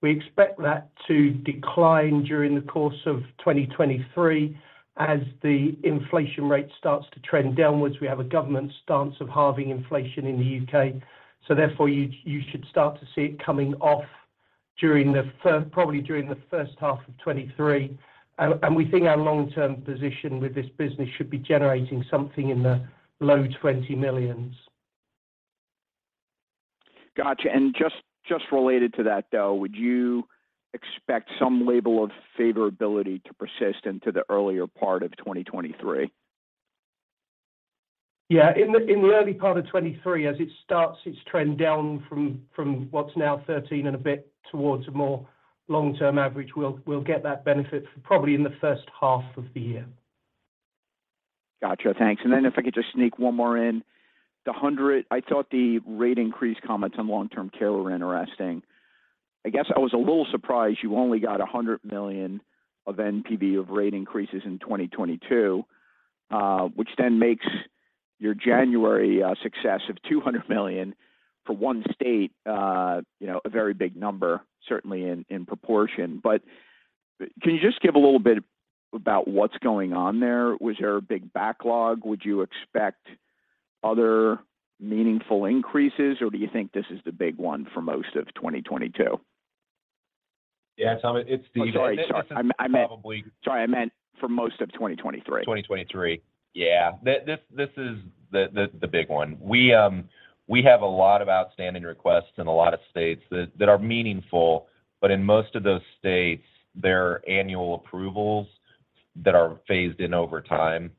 We expect that to decline during the course of 2023 as the inflation rate starts to trend downwards. We have a government stance of halving inflation in the U.K., therefore you should start to see it coming off probably during the first half of 2023. We think our long-term position with this business should be generating something in the low $20 million. Gotcha. Just related to that, though, would you expect some label of favorability to persist into the earlier part of 2023? Yeah. In the early part of 2023 as it starts its trend down from what's now 13 and a bit towards a more long-term average, we'll get that benefit probably in the first half of the year. Gotcha. Thanks. If I could just sneak one more in. I thought the rate increase comments on long-term care were interesting. I guess I was a little surprised you only got $100 million of NPV of rate increases in 2022, which makes your January success of $200 million for one state, you know, a very big number, certainly in proportion. Can you just give a little bit about what's going on there? Was there a big backlog? Would you expect other meaningful increases, or do you think this is the big one for most of 2022? Yeah, Tom, it's Steve. Oh, sorry. Sorry. I meant. This is. Sorry, I meant for most of 2023. 2023. Yeah. This is the big one. We have a lot of outstanding requests in a lot of states that are meaningful, but in most of those states, they're annual approvals that are phased in over time.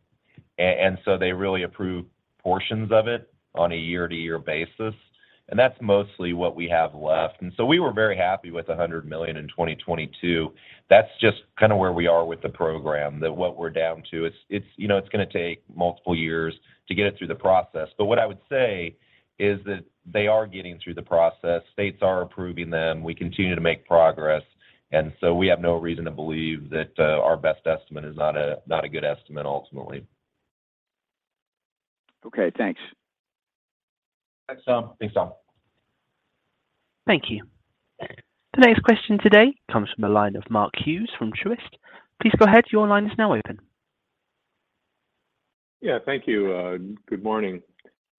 They really approve portions of it on a year-to-year basis, that's mostly what we have left. We were very happy with $100 million in 2022. That's just kind of where we are with the program, that what we're down to. It's, you know, it's going to take multiple years to get it through the process. What I would say is that they are getting through the process. States are approving them. We continue to make progress, we have no reason to believe that our best estimate is not a good estimate ultimately. Okay, thanks. Thanks, Tom. Thanks, Tom. Thank you. The next question today comes from the line of Mark Hughes from Truist. Please go ahead, your line is now open. Yeah, thank you. Good morning.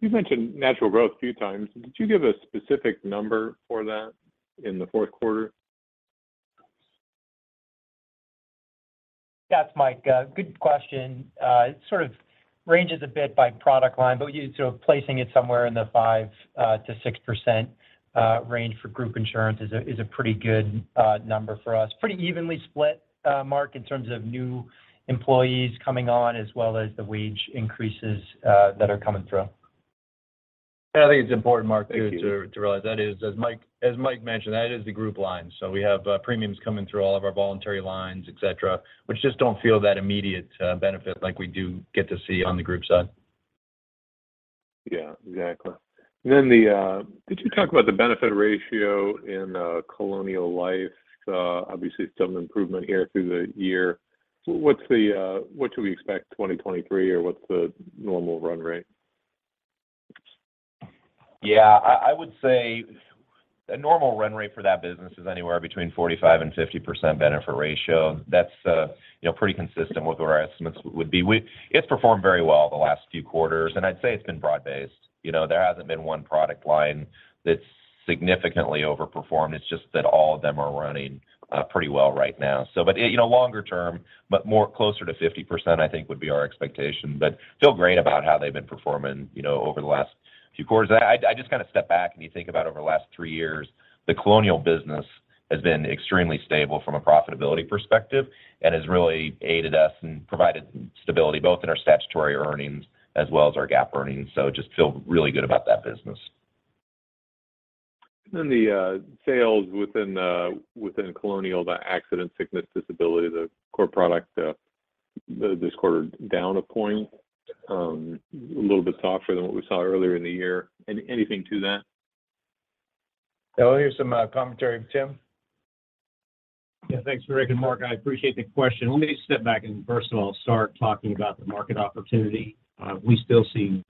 You've mentioned natural growth a few times. Did you give a specific number for that in the fourth quarter? Yeah, Mike, good question. It sort of ranges a bit by product line, but placing it somewhere in the 5% to 6% range for group insurance is a pretty good number for us. Pretty evenly split, Mark, in terms of new employees coming on as well as the wage increases that are coming through. I think it's important, Mark. Thank you.... to realize that is, as Mike mentioned, that is the group line. We have premiums coming through all of our voluntary lines, et cetera, which just don't feel that immediate benefit like we do get to see on the group side. Yeah, exactly. Did you talk about the benefit ratio in Colonial Life? Obviously some improvement here through the year. What's the what should we expect 2023, or what's the normal run rate? Yeah, I would say a normal run rate for that business is anywhere between 45% and 50% benefit ratio. That's, you know, pretty consistent with what our estimates would be. It's performed very well the last few quarters, and I'd say it's been broad-based. You know, there hasn't been one product line that's significantly overperformed. It's just that all of them are running, pretty well right now. But, you know, longer term, but more closer to 50% I think would be our expectation. Feel great about how they've been performing, you know, over the last few quarters. I just kind of step back, you think about over the last three years, the Colonial business has been extremely stable from a profitability perspective and has really aided us and provided stability both in our statutory earnings as well as our GAAP earnings. Just feel really good about that business. The sales within Colonial, the accident sickness disability, the core product, this quarter down a point, a little bit softer than what we saw earlier in the year. Anything to that? I'll hear some commentary from Tim. Thanks, Rick and Mark. I appreciate the question. Let me step back and first of all start talking about the market opportunity. We still see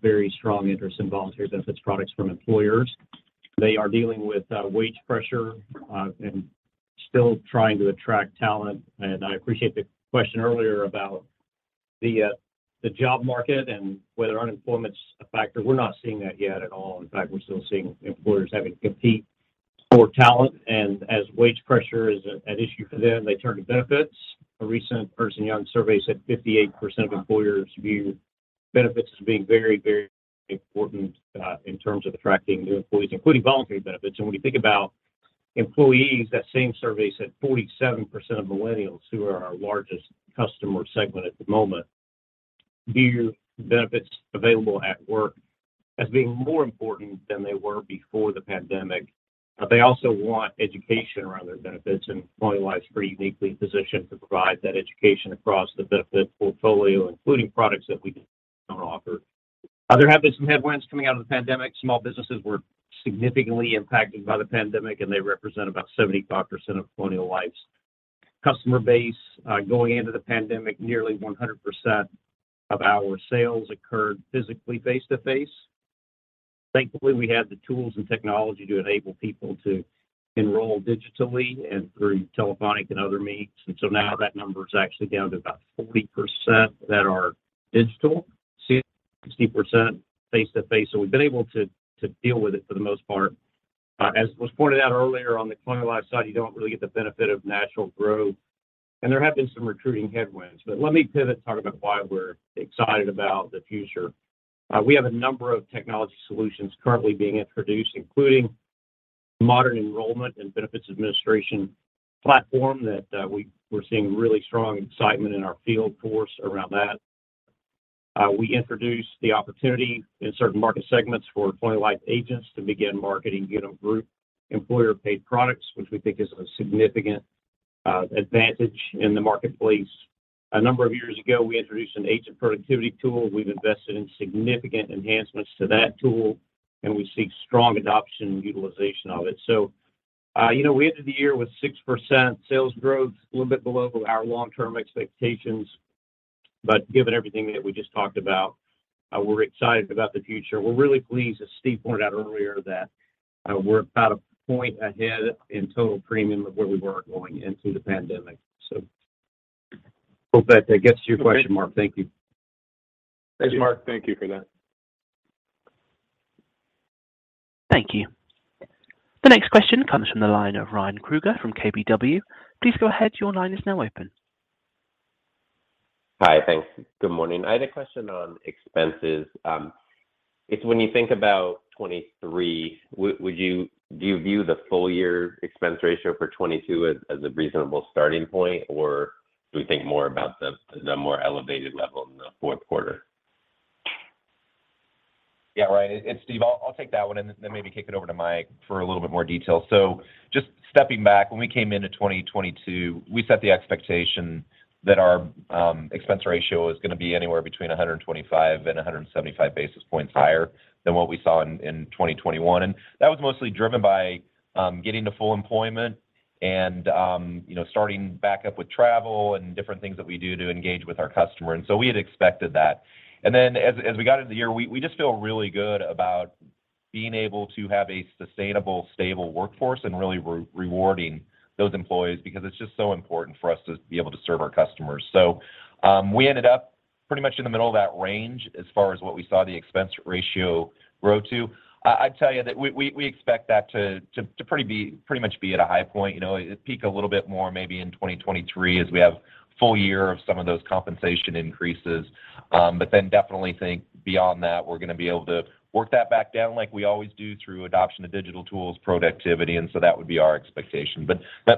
very strong interest in voluntary benefits products from employers. They are dealing with wage pressure, and still trying to attract talent. I appreciate the question earlier about the job market and whether unemployment's a factor. We're not seeing that yet at all. In fact, we're still seeing employers having to compete for talent, and as wage pressure is an issue for them, they turn to benefits. A recent Ernst & Young survey said 58% of employers view benefits as being very, very important, in terms of attracting new employees, including voluntary benefits. When you think about employees, that same survey said 47% of millennials, who are our largest customer segment at the moment, view benefits available at work as being more important than they were before the pandemic. They also want education around their benefits, and Colonial Life's pretty uniquely positioned to provide that education across the benefit portfolio, including products that we don't offer. There have been some headwinds coming out of the pandemic. Small businesses were significantly impacted by the pandemic, and they represent about 75% of Colonial Life's customer base. Going into the pandemic, nearly 100% of our sales occurred physically face-to-face. Thankfully, we had the tools and technology to enable people to enroll digitally and through telephonic and other means, and so now that number is actually down to about 40% that are digital, 60% face-to-face. We've been able to deal with it for the most part. As was pointed out earlier on the Colonial Life side, you don't really get the benefit of natural growth, and there have been some recruiting headwinds. Let me pivot and talk about why we're excited about the future. We have a number of technology solutions currently being introduced, including modern enrollment and benefits administration platform that we're seeing really strong excitement in our field force around that. We introduced the opportunity in certain market segments for Colonial Life agents to begin marketing, you know, group employer-paid products, which we think is a significant advantage in the marketplace. A number of years ago, we introduced an agent productivity tool. We've invested in significant enhancements to that tool, and we see strong adoption and utilization of it. You know, we ended the year with 6% sales growth, a little bit below our long-term expectations. Given everything that we just talked about, we're excited about the future. We're really pleased, as Steve pointed out earlier, that, we're about a point ahead in total premium of where we were going into the pandemic. Hope that that gets to your question, Mark. Thank you. Thanks, Mark. Thank you for that. Thank you. The next question comes from the line of Ryan Krueger from KBW. Please go ahead. Your line is now open. Hi. Thanks. Good morning. I had a question on expenses. If when you think about 2023, do you view the full year expense ratio for 2022 as a reasonable starting point, or do we think more about the more elevated level in the fourth quarter? Yeah, Ryan, it's Steve. I'll take that one and then maybe kick it over to Mike for a little bit more detail. Just stepping back, when we came into 2022, we set the expectation that our expense ratio was going to be anywhere between 125 and 175 basis points higher than what we saw in 2021. That was mostly driven by getting to full employment and, you know, starting back up with travel and different things that we do to engage with our customer, we had expected that. As we got into the year, we just feel really good about being able to have a sustainable, stable workforce and really re-rewarding those employees because it's just so important for us to be able to serve our customers. We ended up pretty much in the middle of that range as far as what we saw the expense ratio grow to. I'd tell you that we expect that to pretty much be at a high point. You know, it'll peak a little bit more maybe in 2023 as we have full year of some of those compensation increases. Definitely think beyond that, we're going to be able to work that back down like we always do through adoption of digital tools, productivity, and so that would be our expectation.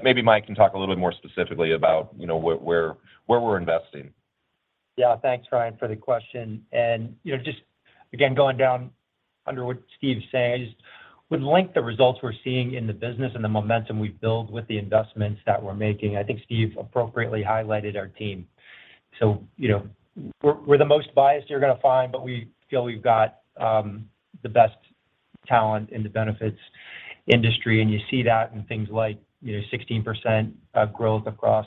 Maybe Mike can talk a little bit more specifically about, you know, where we're investing. Yeah. Thanks, Ryan, for the question. You know, just again, going down under what Steve said, I just would link the results we're seeing in the business and the momentum we've built with the investments that we're making. I think Steve appropriately highlighted our team. You know, we're the most biased you're going to find, but we feel we've got the best talent in the benefits industry. You see that in things like, you know, 16% of growth across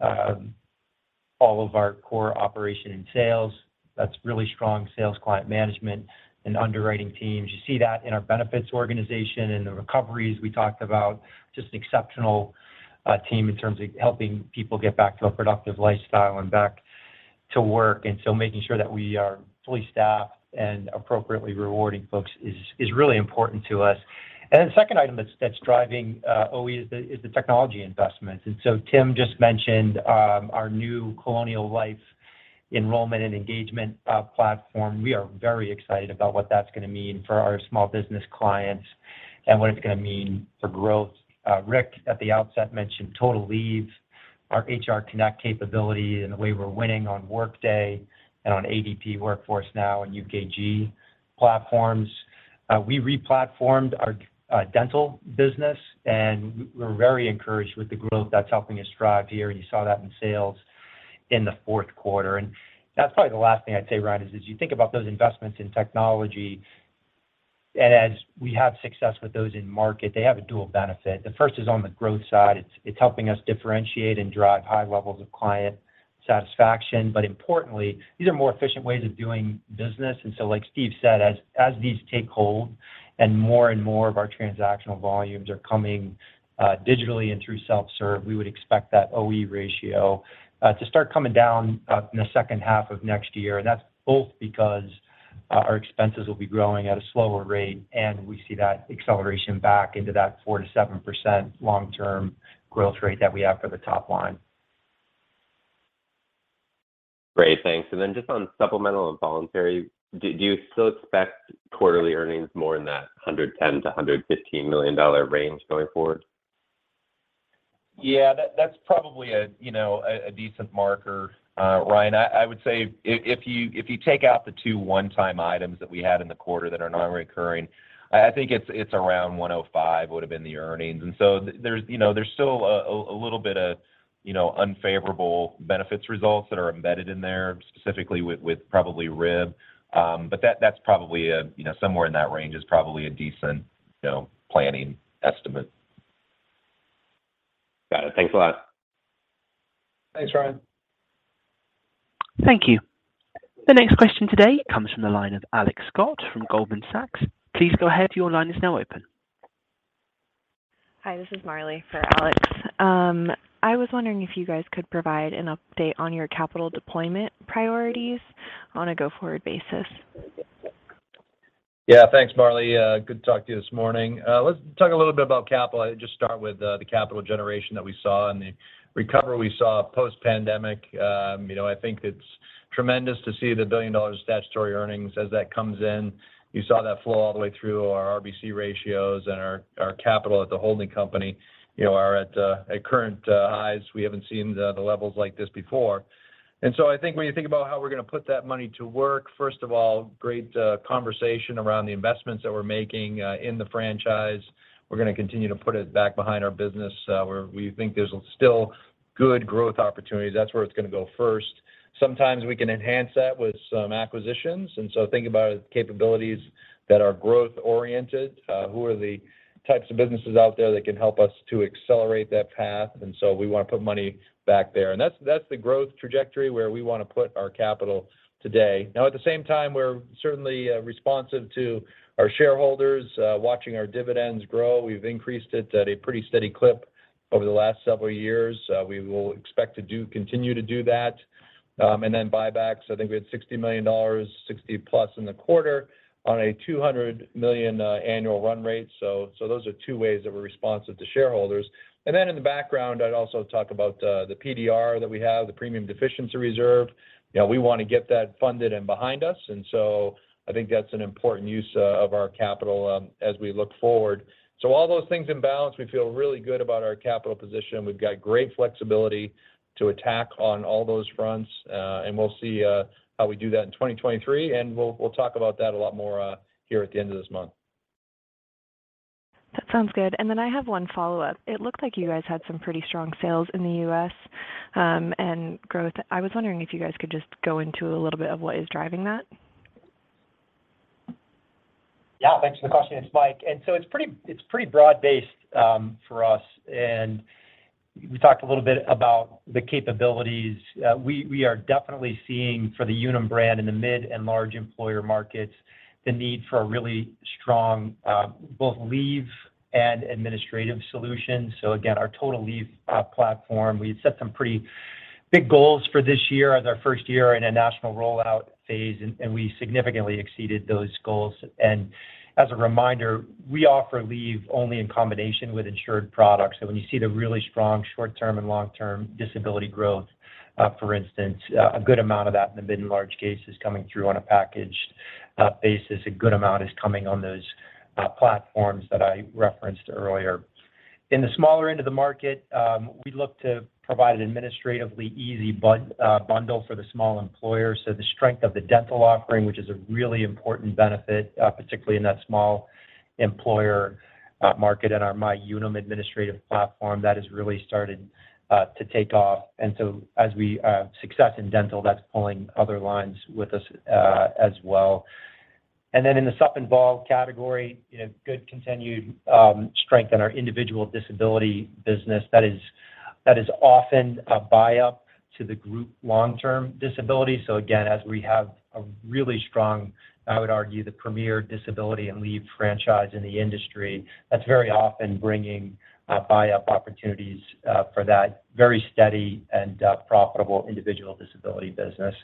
all of our core operation and sales. That's really strong sales client management and underwriting teams. You see that in our benefits organization and the recoveries we talked about, just exceptional team in terms of helping people get back to a productive lifestyle and back to work. Making sure that we are fully staffed and appropriately rewarding folks is really important to us. The second item that's driving OE is the technology investments. Tim just mentioned our new Colonial Life enrollment and engagement platform. We are very excited about what that's going to mean for our small business clients and what it's going to mean for growth. Rick at the outset mentioned Total Leave, our HR Connect capability, and the way we're winning on Workday and on ADP Workforce Now and UKG platforms. We re-platformed our dental business, and we're very encouraged with the growth that's helping us drive here, and you saw that in sales in the fourth quarter. That's probably the last thing I'd say, Ryan, is as you think about those investments in technology and as we have success with those in market, they have a dual benefit. The first is on the growth side. It's helping us differentiate and drive high levels of client satisfaction. Importantly, these are more efficient ways of doing business. Like Steve said, as these take hold and more and more of our transactional volumes are coming digitally and through self-serve, we would expect that OE ratio to start coming down in the second half of next year. That's both because our expenses will be growing at a slower rate, and we see that acceleration back into that 4%-7% long-term growth rate that we have for the top line. Great. Thanks. Then just on supplemental and voluntary, do you still expect quarterly earnings more in that $110 million-$115 million range going forward? Yeah, that's probably a, you know, a decent marker, Ryan. I would say if you take out the two one-time items that we had in the quarter that are non-recurring, I think it's around $105 would have been the earnings. There's, you know, there's still a little bit of, you know, unfavorable benefits results that are embedded in there, specifically with probably RIB. That's probably a, you know, somewhere in that range is probably a decent, you know, planning estimate. Got it. Thanks a lot. Thanks, Ryan. Thank you. The next question today comes from the line of Alex Scott from Goldman Sachs. Please go ahead. Your line is now open. Hi, this is Marley for Alex. I was wondering if you guys could provide an update on your capital deployment priorities on a go-forward basis? Yeah. Thanks, Marley. good to talk to you this morning. Let's talk a little bit about capital. I'll just start with the capital generation that we saw and the recovery we saw post-pandemic. you know, I think it's tremendous to see the $1 billion statutory earnings as that comes in. You saw that flow all the way through our RBC ratios and our capital at the holding company, you know, are at current highs. We haven't seen the levels like this before. I think when you think about how we're going to put that money to work, first of all, great conversation around the investments that we're making in the franchise. We're going to continue to put it back behind our business where we think there's still good growth opportunities. That's where it's going to go first. Sometimes we can enhance that with some acquisitions, think about capabilities that are growth oriented, who are the types of businesses out there that can help us to accelerate that path. We want to put money back there. That's the growth trajectory where we want to put our capital today. Now, at the same time, we're certainly responsive to our shareholders, watching our dividends grow. We've increased it at a pretty steady clip over the last several years. We will expect to continue to do that. Buybacks. I think we had $60 million, 60+ in the quarter on a $200 million annual run rate. Those are two ways that we're responsive to shareholders. In the background, I'd also talk about the PDR that we have, the premium deficiency reserve. You know, we want to get that funded and behind us, and I think that's an important use of our capital as we look forward. All those things in balance, we feel really good about our capital position. We've got great flexibility to attack on all those fronts, and we'll see how we do that in 2023, and we'll talk about that a lot more here at the end of this month. That sounds good. I have one follow-up. It looked like you guys had some pretty strong sales in the U.S., and growth. I was wondering if you guys could just go into a little bit of what is driving that? Yeah. Thanks for the question. It's Mike. It's pretty broad-based for us. We talked a little bit about the capabilities. We are definitely seeing for the Unum brand in the mid and large employer markets, the need for a really strong both leave and administrative solution. Again, our Unum Total Leave platform, we had set some pretty big goals for this year as our first year in a national rollout phase, and we significantly exceeded those goals. As a reminder, we offer leave only in combination with insured products. When you see the really strong short-term and long-term disability growth, for instance, a good amount of that in the mid and large case is coming through on a packaged basis. A good amount is coming on those platforms that I referenced earlier. In the smaller end of the market, we look to provide an administratively easy bundle for the small employer. The strength of the dental offering, which is a really important benefit, particularly in that small employer market and our MyUnum administrative platform, that has really started to take off. As we success in dental, that's pulling other lines with us as well. In the sup involved category, good continued strength in our individual disability business that is often a buy-up to the group long-term disability. Again, as we have a really strong, I would argue, the premier disability and leave franchise in the industry, that's very often bringing buy-up opportunities for that very steady and profitable individual disability business.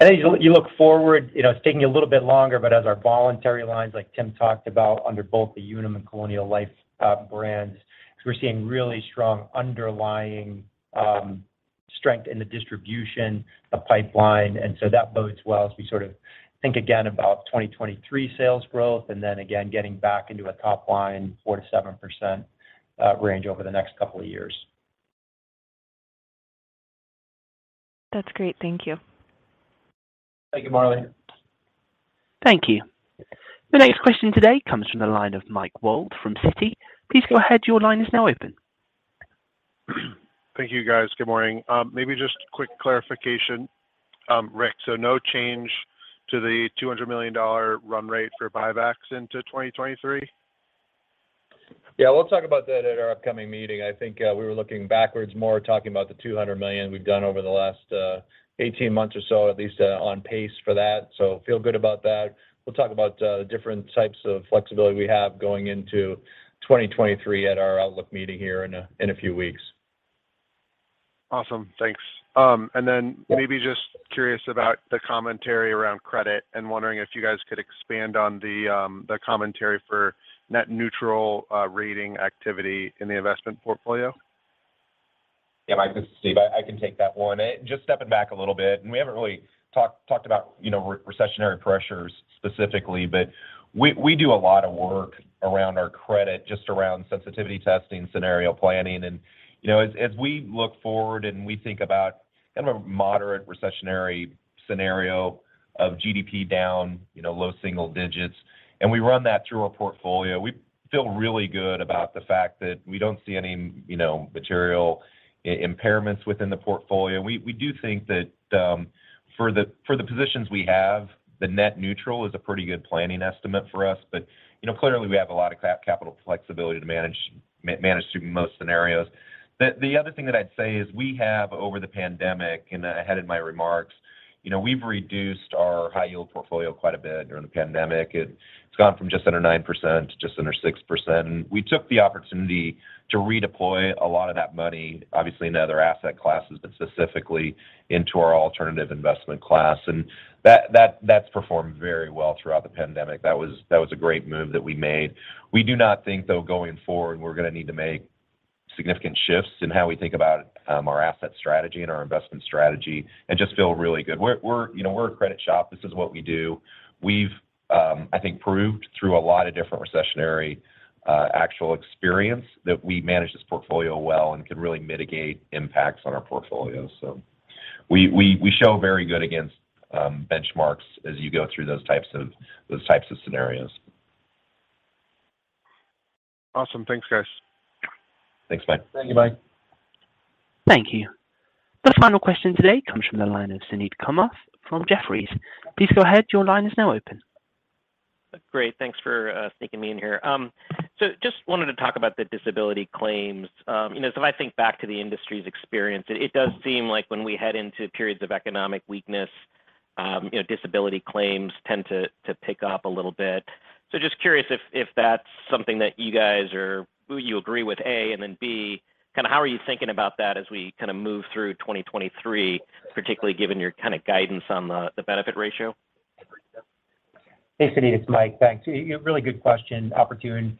As you look forward, you know, it's taking a little bit longer, but as our voluntary lines, like Tim talked about, under both the Unum and Colonial Life brands, 'cause we're seeing really strong underlying strength in the distribution, the pipeline, and so that bodes well as we sort of think again about 2023 sales growth and then again, getting back into a top line, 4%-7% range over the next couple of years. That's great. Thank you. Thank you, Marley. Thank you. The next question today comes from the line of Mike Ward from Citi. Please go ahead, your line is now open. Thank you, guys. Good morning. Maybe just quick clarification, Rick. No change to the $200 million run rate for buybacks into 2023? Yeah, we'll talk about that at our upcoming meeting. I think, we were looking backwards more talking about the $200 million we've done over the last, 18 months or so, at least, on pace for that. Feel good about that. We'll talk about the different types of flexibility we have going into 2023 at our outlook meeting here in a few weeks. Awesome. Thanks. Maybe just curious about the commentary around credit and wondering if you guys could expand on the commentary for net neutral rating activity in the investment portfolio. Yeah, Mike, this is Steve. I can take that one. Just stepping back a little bit, we haven't really talked about, you know, recessionary pressures specifically, but we do a lot of work around our credit, just around sensitivity testing, scenario planning. You know, as we look forward and we think about kind of a moderate recessionary scenario of GDP down, you know, low single digits, and we run that through our portfolio, we feel really good about the fact that we don't see any, you know, material impairments within the portfolio. We do think that for the positions we have, the net neutral is a pretty good planning estimate for us. You know, clearly, we have a lot of capital flexibility to manage through most scenarios. The other thing that I'd say is we have over the pandemic, and I had in my remarks, you know, we've reduced our high yield portfolio quite a bit during the pandemic. It's gone from just under 9% to just under 6%. We took the opportunity to redeploy a lot of that money, obviously in other asset classes, but specifically into our alternative investment class. That's performed very well throughout the pandemic. That was a great move that we made. We do not think, though, going forward, we're gonna need to make significant shifts in how we think about our asset strategy and our investment strategy and just feel really good. We're, you know, we're a credit shop. This is what we do. We've, I think proved through a lot of different recessionary, actual experience that we manage this portfolio well and can really mitigate impacts on our portfolio. We show very good against, benchmarks as you go through those types of scenarios. Awesome. Thanks, guys. Thanks, Mike. Thank you, bye. Thank you. The final question today comes from the line of Suneet Kamath from Jefferies. Please go ahead. Your line is now open. Great. Thanks for sneaking me in here. Just wanted to talk about the disability claims. You know, so if I think back to the industry's experience, it does seem like when we head into periods of economic weakness, you know, disability claims tend to pick up a little bit. Just curious if that's something that you guys or who you agree with, A, and then B, kind of how are you thinking about that as we kind of move through 2023, particularly given your kind of guidance on the benefit ratio? Hey, Suneet. It's Mike. Thanks. A really good question, opportune.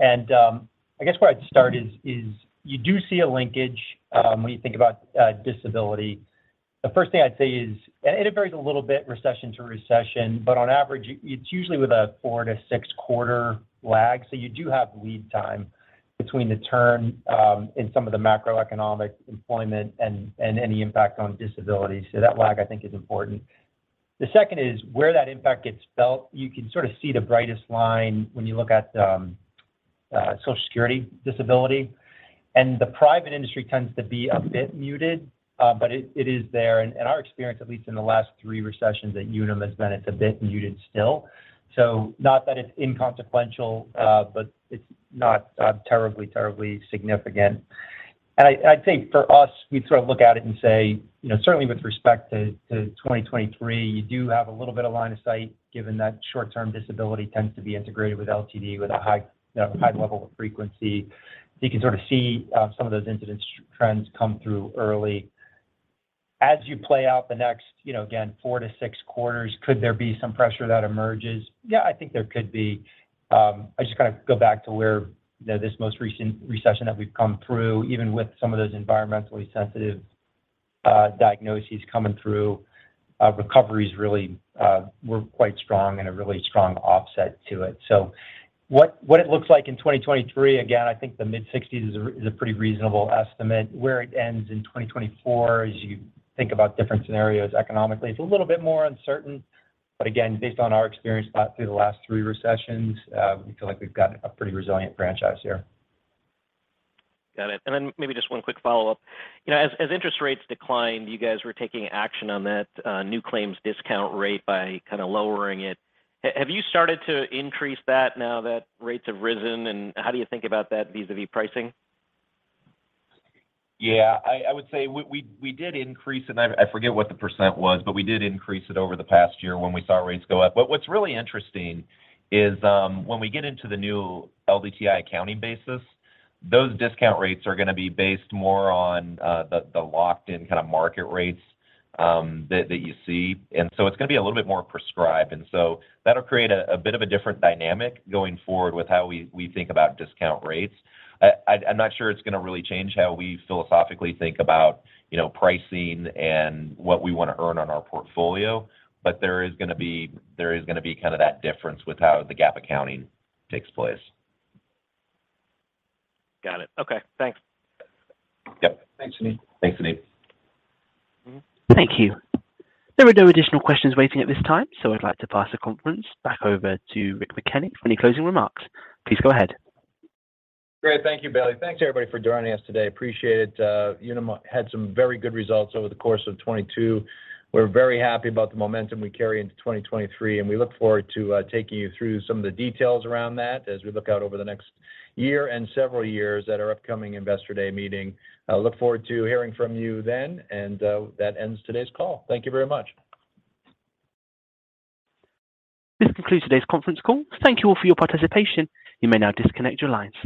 I guess, where I'd start is you do see a linkage, when you think about disability. The first thing I'd say is, and it varies a little bit recession to recession, but on average it's usually with a 4-6 quarter lag. You do have lead time between the turn, in some of the macroeconomic employment and any impact on disability. That lag, I think, is important. The second is where that impact gets felt, you can sort of see the brightest line when you look at Social Security disability, and the private industry tends to be a bit muted, but it is there. In our experience, at least in the last 3 recessions at Unum has been, it's a bit muted still. Not that it's inconsequential, but it's not terribly significant. I think for us, we sort of look at it and say, you know, certainly with respect to 2023, you do have a little bit of line of sight given that short-term disability tends to be integrated with LTD with a high level of frequency. You can sort of see some of those incidence trends come through early. As you play out the next, you know, again, four to six quarters, could there be some pressure that emerges? Yeah, I think there could be. I just kind of go back to where, you know, this most recent recession that we've come through, even with some of those environmentally sensitive diagnoses coming through, recoveries really were quite strong and a really strong offset to it. What it looks like in 2023, again, I think the mid-60s is a pretty reasonable estimate. Where it ends in 2024, as you think about different scenarios economically, it's a little bit more uncertain. Again, based on our experience through the last 3 recessions, we feel like we've got a pretty resilient franchise here. Got it. Then maybe just one quick follow-up. You know, as interest rates declined, you guys were taking action on that new claims discount rate by kind of lowering it. Have you started to increase that now that rates have risen, and how do you think about that vis-a-vis pricing? Yeah. I would say we did increase, and I forget what the % was, but we did increase it over the past year when we saw rates go up. What's really interesting is, when we get into the new LDTI accounting basis, those discount rates are gonna be based more on the locked-in kind of market rates that you see. It's gonna be a little bit more prescribed, and so that'll create a bit of a different dynamic going forward with how we think about discount rates. I'm not sure it's gonna really change how we philosophically think about, you know, pricing and what we want to earn on our portfolio, but there is gonna be kind of that difference with how the GAAP accounting takes place. Got it. Okay. Thanks. Yep. Thanks, Suneet. Thanks, Suneet. Thank you. There are no additional questions waiting at this time, so I'd like to pass the conference back over to Rick McKenney for any closing remarks. Please go ahead. Great. Thank you, Bailey. Thanks, everybody, for joining us today. Appreciate it. Unum had some very good results over the course of 2022. We're very happy about the momentum we carry into 2023, and we look forward to taking you through some of the details around that as we look out over the next year and several years at our upcoming Investor Day meeting. I look forward to hearing from you then, and that ends today's call. Thank you very much. This concludes today's conference call. Thank you all for your participation. You may now disconnect your lines.